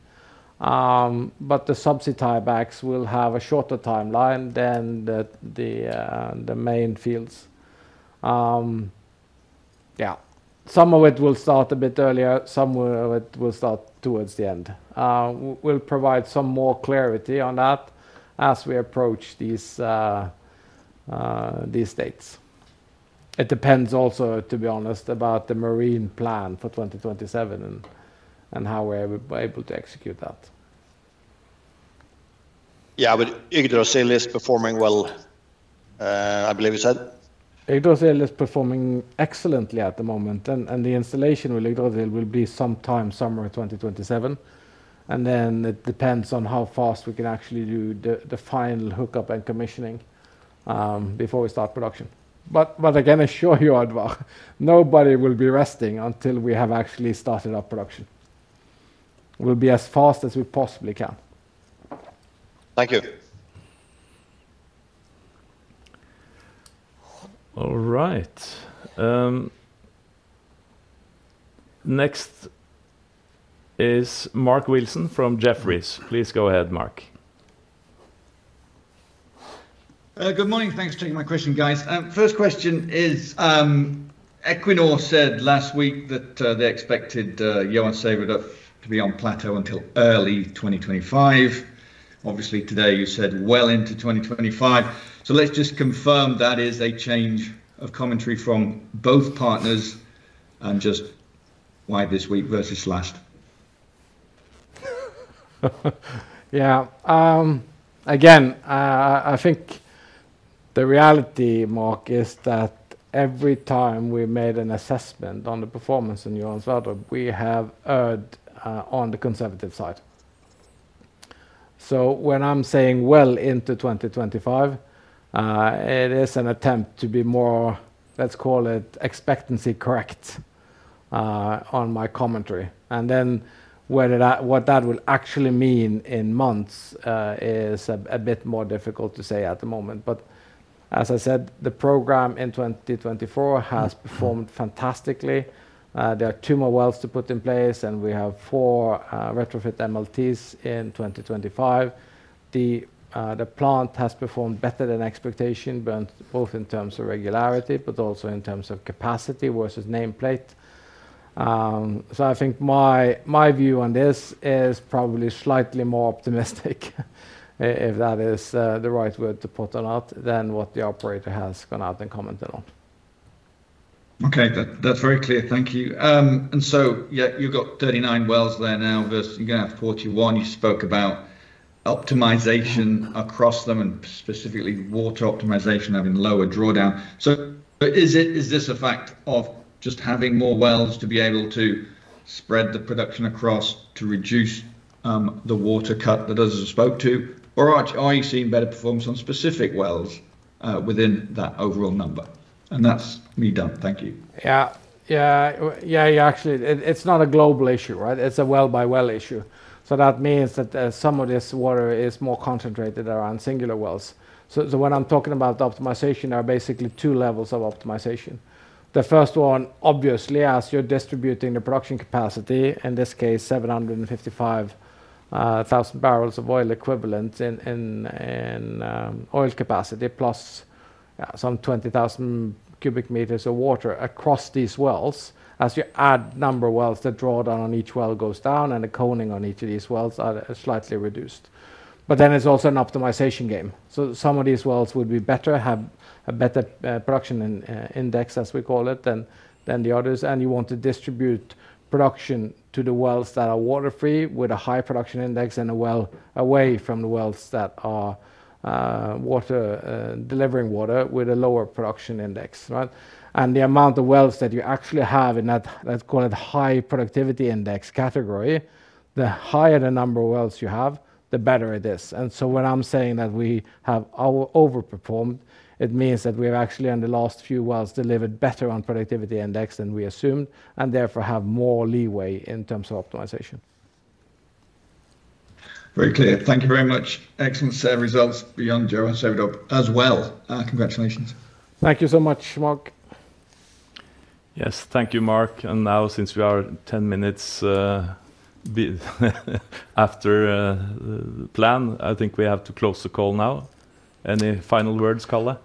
But the subsea tie-backs will have a shorter timeline than the main fields. Yeah, some of it will start a bit earlier, some of it will start towards the end. We'll provide some more clarity on that as we approach these dates. It depends also, to be honest, about the marine plan for 2027 and how we're able to execute that. Yeah, but Yggdrasil is performing well, I believe you said? Yggdrasil is performing excellently at the moment, and the installation will be sometime summer 2027. And then it depends on how fast we can actually do the final hookup and commissioning before we start production. But I can assure you, Oddvar, nobody will be resting until we have actually started up production. We'll be as fast as we possibly can. Thank you. All right. Next is Mark Wilson from Jefferies. Please go ahead, Mark. Good morning. Thanks for taking my question, guys. First question is, Equinor said last week that they expected Johan Sverdrup to be on plateau until early 2025. Obviously, today you said well into 2025. So, let's just confirm that is a change of commentary from both partners and just why this week versus last. Yeah. Again, I think the reality, Mark, is that every time we made an assessment on the performance in Johan Sverdrup, we have erred on the conservative side. So when I'm saying well into 2025, it is an attempt to be more, let's call it expectancy-correct, on my commentary. And then what that will actually mean in months is a bit more difficult to say at the moment. But as I said, the program in 2024 has performed fantastically. There are two more wells to put in place, and we have four retrofit MLTs in 2025. The plant has performed better than expectation, both in terms of regularity, but also in terms of capacity versus nameplate. So I think my view on this is probably slightly more optimistic, if that is the right word to put or not, than what the operator has gone out and commented on. Okay, that's very clear. Thank you. And so, yeah, you've got 39 wells there now versus you're going to have 41. You spoke about optimization across them and specifically water optimization having lower drawdown. So is this a fact of just having more wells to be able to spread the production across to reduce the water cut that others have spoke to, or are you seeing better performance on specific wells within that overall number? And that's me done. Thank you. Yeah, yeah, yeah, actually, it's not a global issue, right? It's a well-by-well issue. So that means that some of this water is more concentrated around singular wells. So when I'm talking about optimization, there are basically two levels of optimization. The first one, obviously, as you're distributing the production capacity, in this case, 755,000 barrels of oil equivalent in oil capacity plus some 20,000 cubic meters of water across these wells. As you add number of wells, the drawdown on each well goes down, and the coning on each of these wells is slightly reduced. But then it's also an optimization game. So some of these wells would be better, have a better production index, as we call it, than the others. And you want to distribute production to the wells that are water-free with a high production index and a well away from the wells that are delivering water with a lower production index, right? And the amount of wells that you actually have in that, let's call it high productivity index category, the higher the number of wells you have, the better it is. And so when I'm saying that we have overperformed, it means that we have actually, in the last few wells, delivered better on productivity index than we assumed, and therefore have more leeway in terms of optimization. Very clear. Thank you very much. Excellent results beyond Johan Sverdrup as well. Congratulations. Thank you so much, Mark. Yes, thank you, Mark. And now, since we are 10 minutes after the plan, I think we have to close the call now. Any final words, Karl?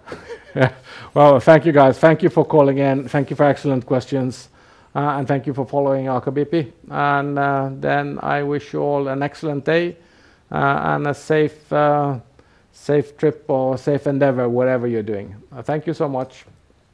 Well, thank you, guys. Thank you for calling in. Thank you for excellent questions. And thank you for following Aker BP. And then I wish you all an excellent day and a safe trip or safe endeavor, whatever you're doing. Thank you so much.